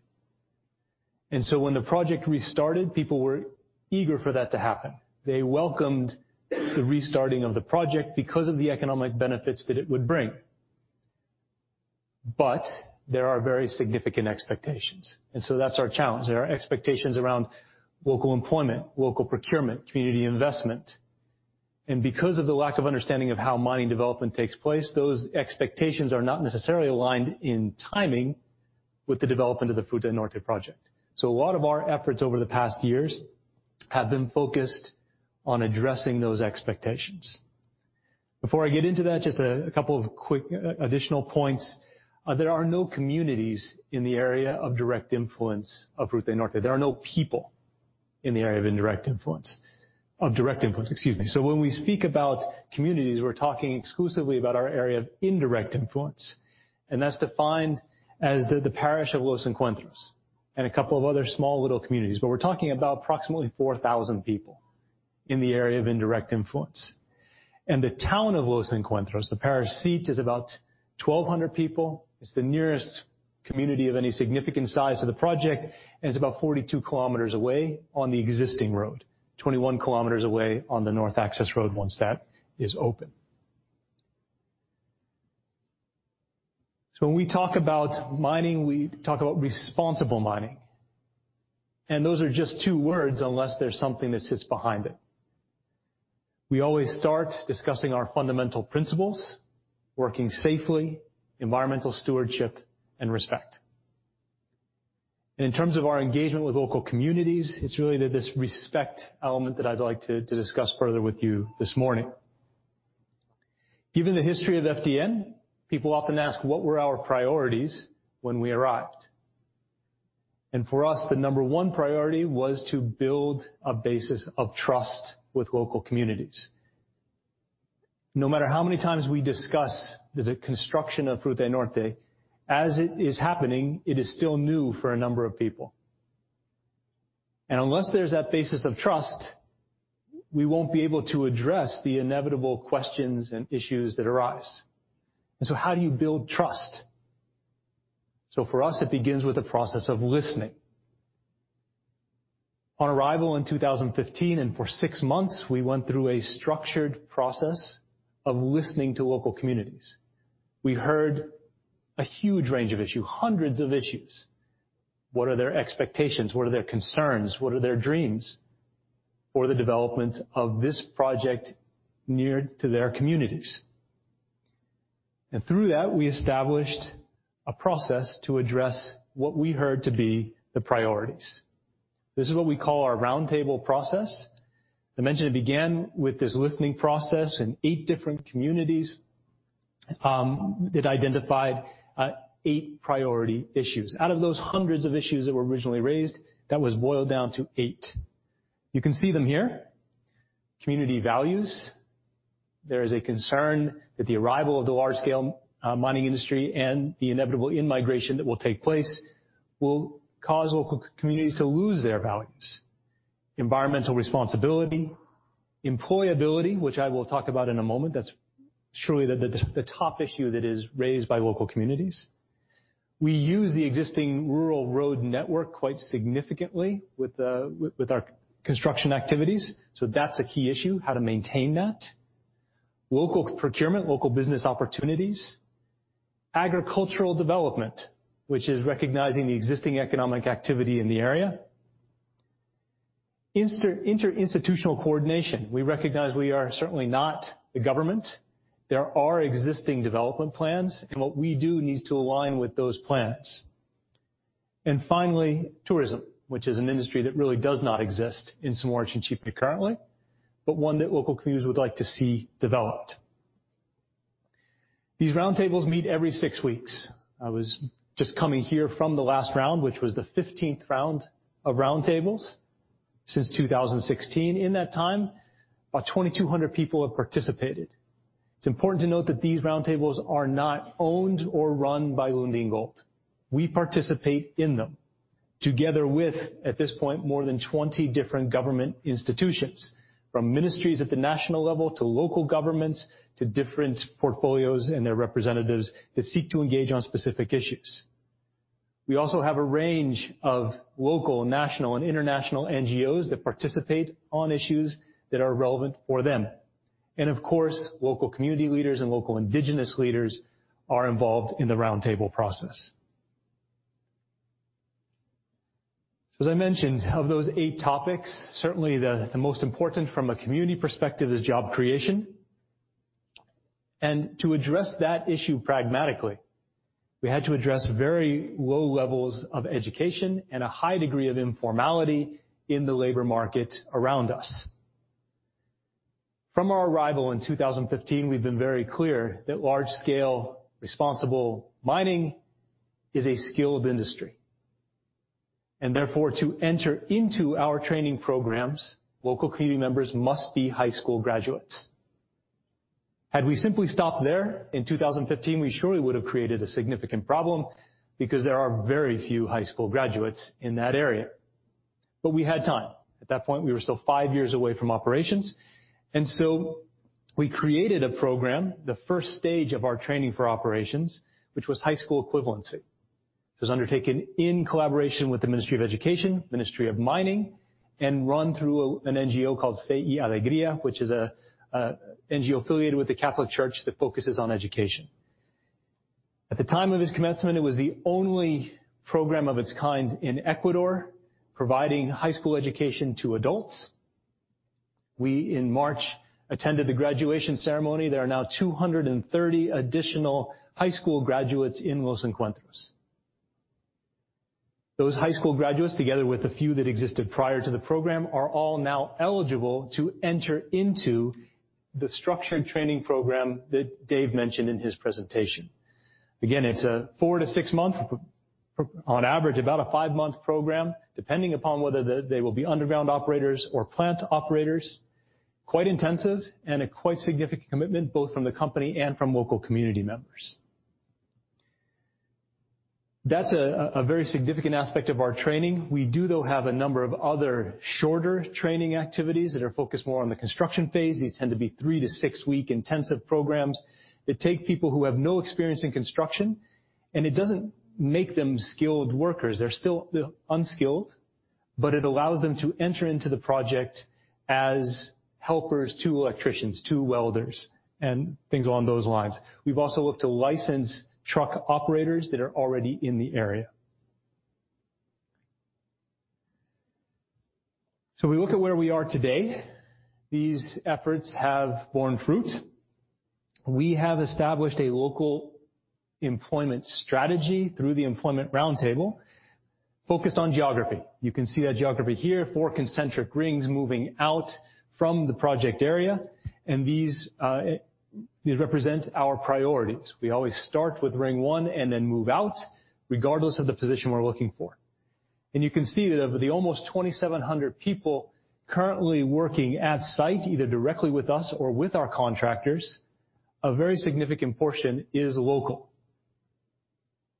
When the project restarted, people were eager for that to happen. They welcomed the restarting of the project because of the economic benefits that it would bring. There are very significant expectations, and so that's our challenge. There are expectations around local employment, local procurement, community investment. Because of the lack of understanding of how mining development takes place, those expectations are not necessarily aligned in timing with the development of the Fruta del Norte project. A lot of our efforts over the past years have been focused on addressing those expectations. Before I get into that, just a couple of quick additional points. There are no communities in the area of direct influence of Fruta del Norte. There are no people in the area of direct influence, excuse me. When we speak about communities, we're talking exclusively about our area of indirect influence, and that's defined as the parish of Los Encuentros and a couple of other small little communities. We're talking about approximately 4,000 people in the area of indirect influence. The town of Los Encuentros, the parish seat, is about 1,200 people. It's the nearest community of any significant size to the project, and it's about 42 km away on the existing road, 21 km away on the North Access Road, once that is open. When we talk about mining, we talk about responsible mining. Those are just two words unless there's something that sits behind it. We always start discussing our fundamental principles, working safely, environmental stewardship, and respect. In terms of our engagement with local communities, it's really this respect element that I'd like to discuss further with you this morning. Given the history of FDN, people often ask, what were our priorities when we arrived? For us, the number one priority was to build a basis of trust with local communities. No matter how many times we discuss the construction of Fruta del Norte, as it is happening, it is still new for a number of people. Unless there's that basis of trust, we won't be able to address the inevitable questions and issues that arise. How do you build trust? For us, it begins with the process of listening. On arrival in 2015, and for six months, we went through a structured process of listening to local communities. We heard a huge range of issues, hundreds of issues. What are their expectations? What are their concerns? What are their dreams for the development of this project near to their communities? Through that, we established a process to address what we heard to be the priorities. This is what we call our roundtable process. I mentioned it began with this listening process in eight different communities, that identified eight priority issues. Out of those hundreds of issues that were originally raised, that was boiled down to eight. You can see them here. Community values. There is a concern that the arrival of the large-scale mining industry and the inevitable in-migration that will take place will cause local communities to lose their values. Environmental responsibility, employability, which I will talk about in a moment, that is truly the top issue that is raised by local communities. We use the existing rural road network quite significantly with our construction activities. That's a key issue, how to maintain that. Local procurement, local business opportunities. Agricultural development, which is recognizing the existing economic activity in the area. Inter-institutional coordination. We recognize we are certainly not the government. There are existing development plans, and what we do needs to align with those plans. Finally, tourism, which is an industry that really does not exist in Zamora Chinchipe currently, but one that local communities would like to see developed. These roundtables meet every six weeks. I was just coming here from the last round, which was the 15th round of roundtables since 2016. In that time, about 2,200 people have participated. It's important to note that these roundtables are not owned or run by Lundin Gold. We participate in them together with, at this point, more than 20 different government institutions, from ministries at the national level to local governments, to different portfolios and their representatives that seek to engage on specific issues. We also have a range of local, national, and international NGOs that participate on issues that are relevant for them. Of course, local community leaders and local indigenous leaders are involved in the roundtable process. As I mentioned, of those eight topics, certainly the most important from a community perspective is job creation. To address that issue pragmatically, we had to address very low levels of education and a high degree of informality in the labor market around us. From our arrival in 2015, we've been very clear that large-scale responsible mining is a skilled industry, and therefore, to enter into our training programs, local community members must be high school graduates. Had we simply stopped there in 2015, we surely would have created a significant problem because there are very few high school graduates in that area. We had time. At that point, we were still five years away from operations, and so we created a program, the first stage of our training for operations, which was high school equivalency. It was undertaken in collaboration with the Ministry of Education, Ministry of Mining, and run through an NGO called Fe y Alegría, which is an NGO affiliated with the Catholic Church that focuses on education. At the time of its commencement, it was the only program of its kind in Ecuador providing high school education to adults. We, in March, attended the graduation ceremony. There are now 230 additional high school graduates in Los Encuentros. Those high school graduates, together with a few that existed prior to the program, are all now eligible to enter into the structured training program that Dave mentioned in his presentation. Again, it's a four to six month, on average about a five-month program, depending upon whether they will be underground operators or plant operators. Quite intensive and a quite significant commitment, both from the company and from local community members. That's a very significant aspect of our training. We do, though, have a number of other shorter training activities that are focused more on the construction phase. These tend to be three to six-week intensive programs that take people who have no experience in construction, and it doesn't make them skilled workers. They're still unskilled, but it allows them to enter into the project as helpers, to electricians, to welders, and things along those lines. We've also looked to license truck operators that are already in the area. We look at where we are today. These efforts have borne fruit. We have established a local employment strategy through the employment roundtable focused on geography. You can see that geography here, four concentric rings moving out from the project area, and these represent our priorities. We always start with ring one and then move out regardless of the position we're looking for. You can see that of the almost 2,700 people currently working at site, either directly with us or with our contractors, a very significant portion is local.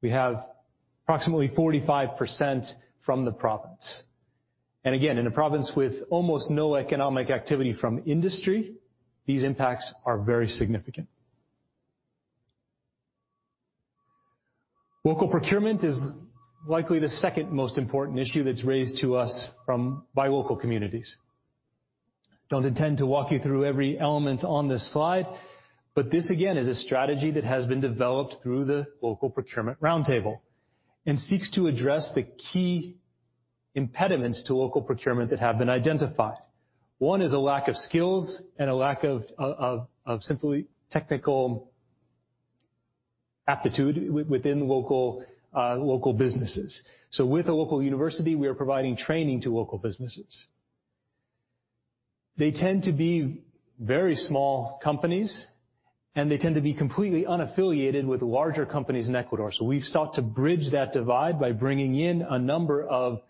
We have approximately 45% from the province. Again, in a province with almost no economic activity from industry, these impacts are very significant. Local procurement is likely the second most important issue that's raised to us by local communities. Don't intend to walk you through every element on this slide, but this again is a strategy that has been developed through the local procurement roundtable and seeks to address the key impediments to local procurement that have been identified. One is a lack of skills and a lack of simply technical aptitude within the local businesses. With the local university, we are providing training to local businesses. They tend to be very small companies, and they tend to be completely unaffiliated with larger companies in Ecuador. We've sought to bridge that divide by bringing in a number of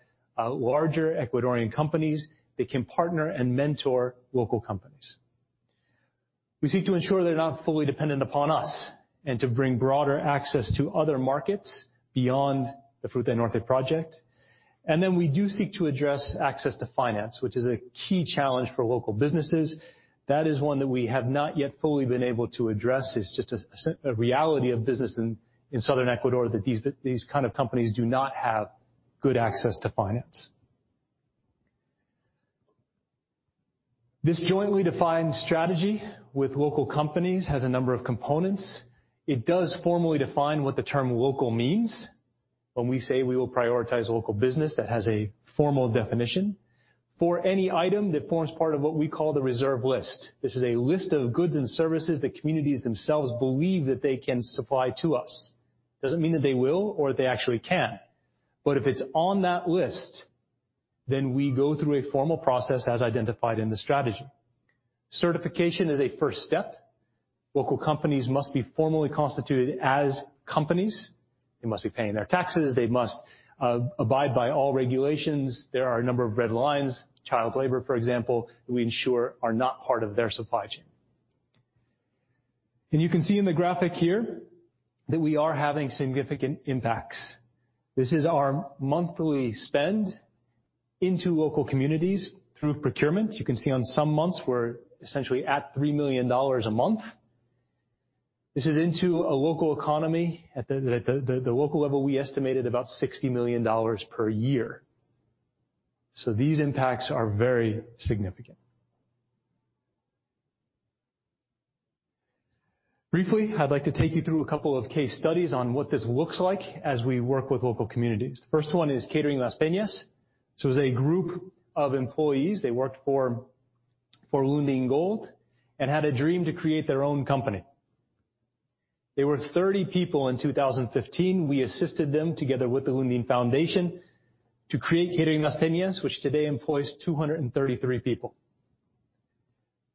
larger Ecuadorian companies that can partner and mentor local companies. We seek to ensure they're not fully dependent upon us and to bring broader access to other markets beyond the Fruta del Norte project. We do seek to address access to finance, which is a key challenge for local businesses. That is one that we have not yet fully been able to address. It's just a reality of business in Southern Ecuador that these kind of companies do not have good access to finance. This jointly defined strategy with local companies has a number of components. It does formally define what the term local means. When we say we will prioritize local business, that has a formal definition. For any item that forms part of what we call the reserve list, this is a list of goods and services the communities themselves believe that they can supply to us. Doesn't mean that they will or that they actually can, but if it's on that list, then we go through a formal process as identified in the strategy. Certification is a first step. Local companies must be formally constituted as companies. They must be paying their taxes. They must abide by all regulations. There are a number of red lines, child labor, for example, that we ensure are not part of their supply chain. You can see in the graphic here that we are having significant impacts. This is our monthly spend into local communities through procurement. You can see on some months, we're essentially at $3 million a month. This is into a local economy. At the local level, we estimated about $60 million per year. These impacts are very significant. Briefly, I'd like to take you through a couple of case studies on what this looks like as we work with local communities. The first one is Catering Las Peñas. It was a group of employees, they worked for Lundin Gold and had a dream to create their own company. They were 30 people in 2015. We assisted them together with the Lundin Foundation to create Catering Las Peñas, which today employs 233 people.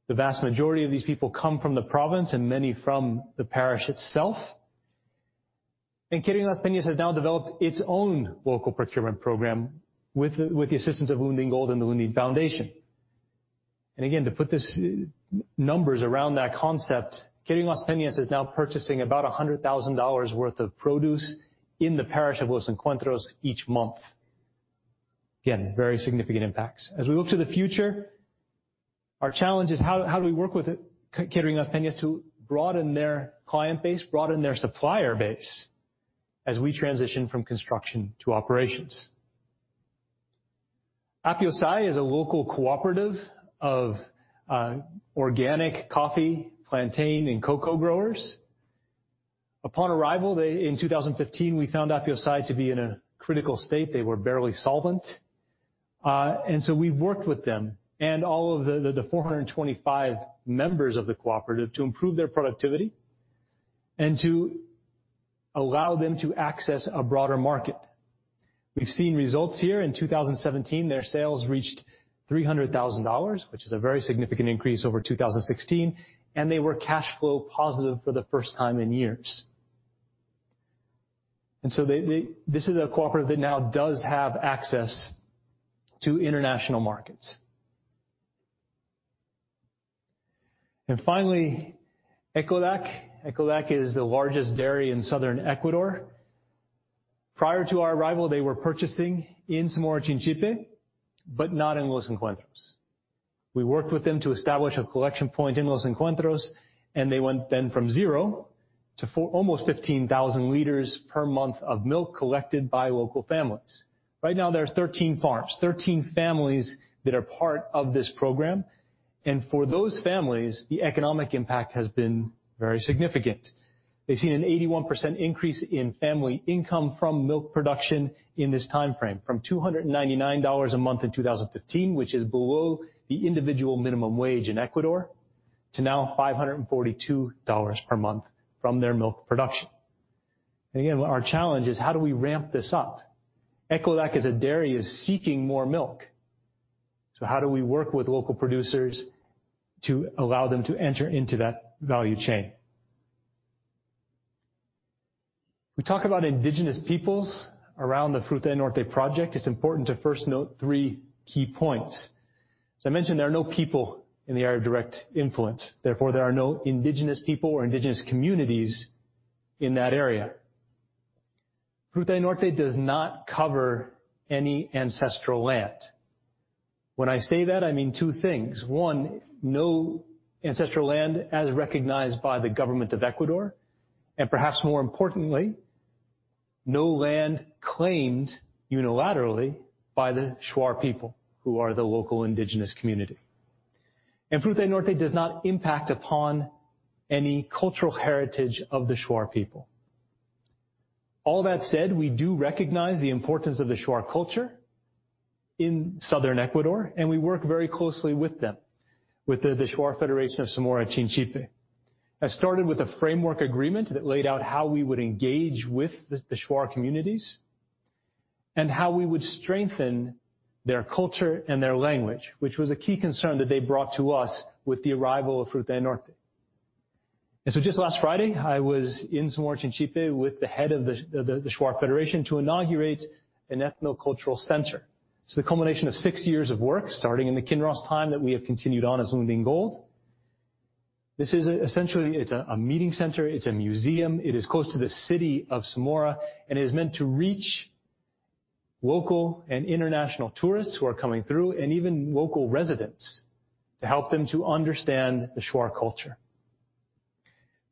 The vast majority of these people come from the province and many from the parish itself. Catering Las Peñas has now developed its own local procurement program with the assistance of Lundin Gold and the Lundin Foundation. Again, to put this numbers around that concept, Catering Las Peñas is now purchasing about $100,000 worth of produce in the parish of Los Encuentros each month. Again, very significant impacts. As we look to the future, our challenge is how do we work with Catering Las Peñas to broaden their client base, broaden their supplier base, as we transition from construction to operations? APEOSAE is a local cooperative of organic coffee, plantain, and cocoa growers. Upon arrival, in 2015, we found APEOSAE to be in a critical state. They were barely solvent. So we've worked with them and all of the 425 members of the cooperative to improve their productivity and to allow them to access a broader market. We've seen results here. In 2017, their sales reached $300,000, which is a very significant increase over 2016, and they were cash flow positive for the first time in years. So this is a cooperative that now does have access to international markets. Finally, Ecolac. Ecolac is the largest dairy in southern Ecuador. Prior to our arrival, they were purchasing in Zamora Chinchipe, but not in Los Encuentros. We worked with them to establish a collection point in Los Encuentros, they went then from zero to almost 15,000 liters per month of milk collected by local families. Right now, there are 13 farms, 13 families that are part of this program. For those families, the economic impact has been very significant. They've seen an 81% increase in family income from milk production in this timeframe, from $299 a month in 2015, which is below the individual minimum wage in Ecuador, to now $542 per month from their milk production. Again, our challenge is how do we ramp this up? Ecolac as a dairy is seeking more milk. How do we work with local producers to allow them to enter into that value chain? We talk about indigenous peoples around the Fruta del Norte project. It is important to first note three key points. As I mentioned, there are no people in the area of direct influence, therefore, there are no indigenous people or indigenous communities in that area. Fruta del Norte does not cover any ancestral land. When I say that, I mean two things. One, no ancestral land as recognized by the government of Ecuador, and perhaps more importantly, no land claimed unilaterally by the Shuar people who are the local indigenous community. Fruta del Norte does not impact upon any cultural heritage of the Shuar people. All that said, we do recognize the importance of the Shuar culture in southern Ecuador, and we work very closely with them, with the Shuar Federation of Zamora Chinchipe. That started with a framework agreement that laid out how we would engage with the Shuar communities and how we would strengthen their culture and their language, which was a key concern that they brought to us with the arrival of Fruta del Norte. Just last Friday, I was in Zamora Chinchipe with the head of the Shuar Federation to inaugurate an ethnocultural center. It's the culmination of six years of work, starting in the Kinross time that we have continued on as Lundin Gold. This is essentially, it's a meeting center. It's a museum. It is close to the city of Zamora, and it is meant to reach local and international tourists who are coming through, and even local residents to help them to understand the Shuar culture.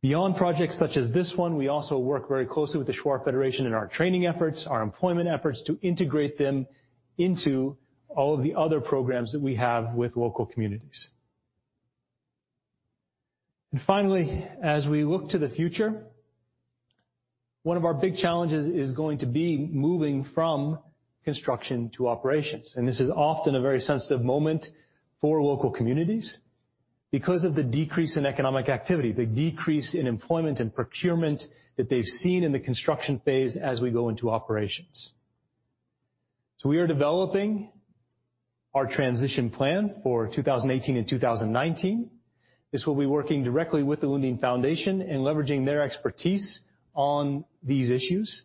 Beyond projects such as this one, we also work very closely with the Shuar Federation in our training efforts, our employment efforts to integrate them into all of the other programs that we have with local communities. Finally, as we look to the future, one of our big challenges is going to be moving from construction to operations. This is often a very sensitive moment for local communities because of the decrease in economic activity, the decrease in employment and procurement that they've seen in the construction phase as we go into operations. We are developing our transition plan for 2018 and 2019. This will be working directly with the Lundin Foundation and leveraging their expertise on these issues.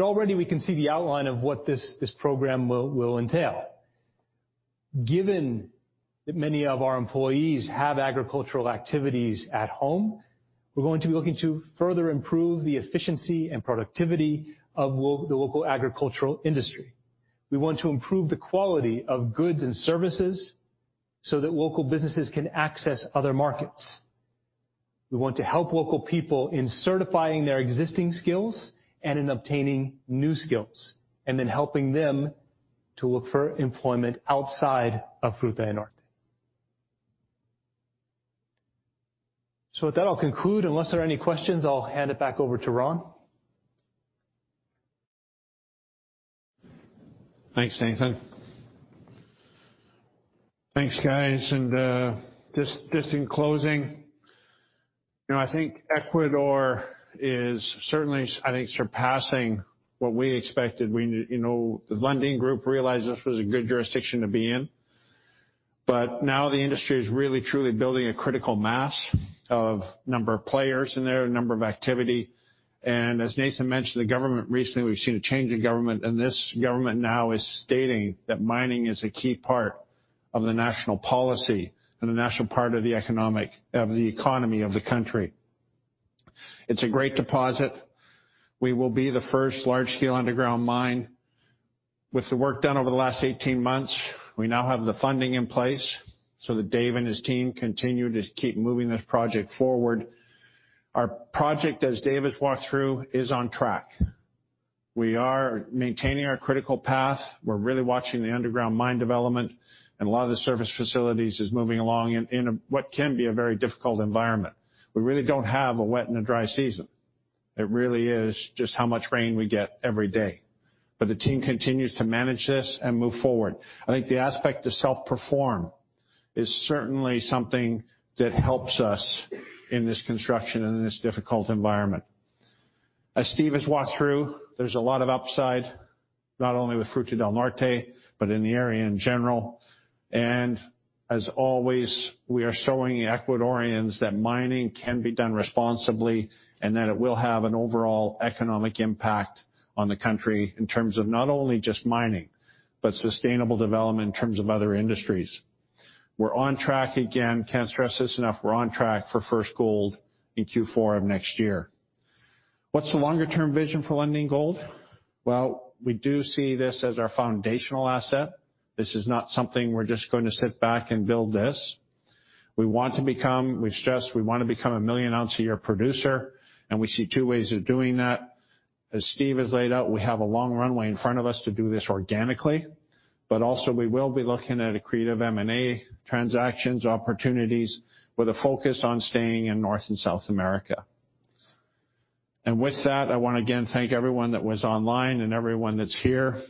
Already we can see the outline of what this program will entail. Given that many of our employees have agricultural activities at home, we're going to be looking to further improve the efficiency and productivity of the local agricultural industry. We want to improve the quality of goods and services so that local businesses can access other markets. We want to help local people in certifying their existing skills and in obtaining new skills, and then helping them to look for employment outside of Fruta del Norte. With that, I'll conclude. Unless there are any questions, I'll hand it back over to Ron. Thanks, Nathan. Thanks, guys. Just in closing, I think Ecuador is certainly, I think, surpassing what we expected. The Lundin Group realized this was a good jurisdiction to be in. Now the industry is really truly building a critical mass of number of players in there, number of activity. As Nathan mentioned, the government recently, we’ve seen a change in government. This government now is stating that mining is a key part of the national policy and a national part of the economy of the country. It’s a great deposit. We will be the first large-scale underground mine. With the work done over the last 18 months, we now have the funding in place so that Dave and his team continue to keep moving this project forward. Our project, as Dave has walked through, is on track. We are maintaining our critical path. We're really watching the underground mine development and a lot of the service facilities is moving along in what can be a very difficult environment. We really don't have a wet and a dry season. It really is just how much rain we get every day. The team continues to manage this and move forward. I think the aspect of self-perform is certainly something that helps us in this construction and in this difficult environment. As Steve has walked through, there's a lot of upside, not only with Fruta del Norte, but in the area in general. As always, we are showing Ecuadorians that mining can be done responsibly and that it will have an overall economic impact on the country in terms of not only just mining, but sustainable development in terms of other industries. We're on track again, can't stress this enough, we're on track for first gold in Q4 of next year. What's the longer-term vision for Lundin Gold? Well, we do see this as our foundational asset. This is not something we're just going to sit back and build this. We want to become, we've stressed, we want to become a million ounce a year producer. We see two ways of doing that. As Steve has laid out, we have a long runway in front of us to do this organically. Also, we will be looking at accretive M&A transactions opportunities with a focus on staying in North and South America. With that, I want to again thank everyone that was online and everyone that's here.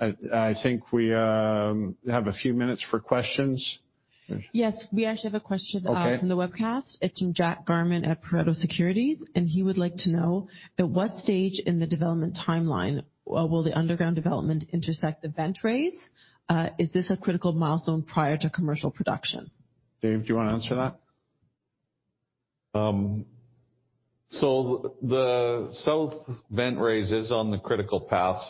I think we have a few minutes for questions. Yes. We actually have a question- Okay from the webcast. It's from Jakob Gmarman at Pareto Securities, and he would like to know, at what stage in the development timeline will the underground development intersect the vent raise? Is this a critical milestone prior to commercial production? Dave, do you want to answer that? The south vent raise is on the critical path.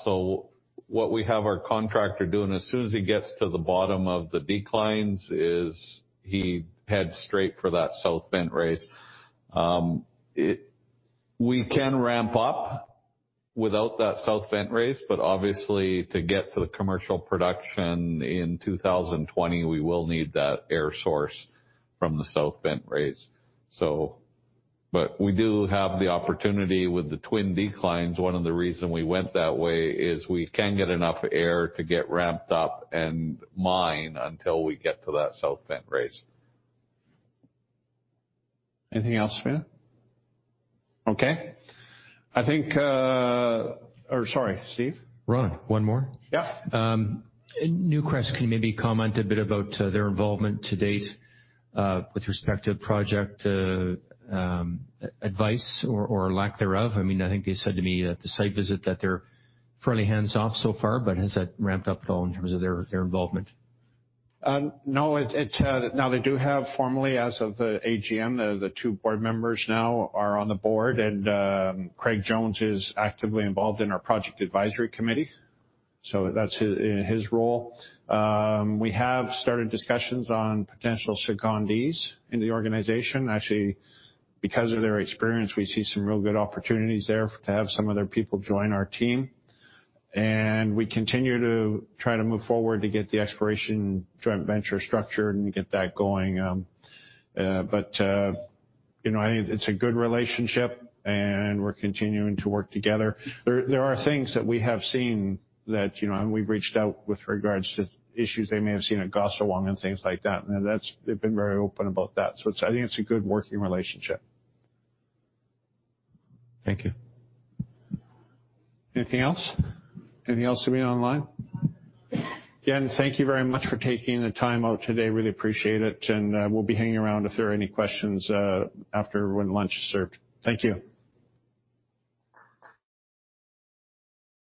What we have our contractor doing, as soon as he gets to the bottom of the declines, is he heads straight for that south vent raise. We can ramp up without that south vent raise, but obviously to get to the commercial production in 2020, we will need that air source from the south vent raise. We do have the opportunity with the twin declines. One of the reason we went that way is we can get enough air to get ramped up and mine until we get to that south vent raise. Anything else, Camina? Okay. Sorry, Steve? Ron, one more. Yeah. Newcrest, can you maybe comment a bit about their involvement to date, with respect to project advice or lack thereof? I think they said to me at the site visit that they are fairly hands-off so far, but has that ramped up at all in terms of their involvement? No. Now they do have formally, as of the AGM, the two board members now are on the board and Craig Jones is actively involved in our project advisory committee, so that's his role. We have started discussions on potential secondees in the organization. Actually, because of their experience, we see some real good opportunities there to have some of their people join our team. We continue to try to move forward to get the exploration joint venture structured and get that going. I think it's a good relationship, and we're continuing to work together. There are things that we have seen that, and we've reached out with regards to issues they may have seen at Gosowong and things like that, and they've been very open about that. I think it's a good working relationship. Thank you. Anything else? Anything else coming online? Again, thank you very much for taking the time out today. Really appreciate it, and we'll be hanging around if there are any questions after when lunch is served. Thank you.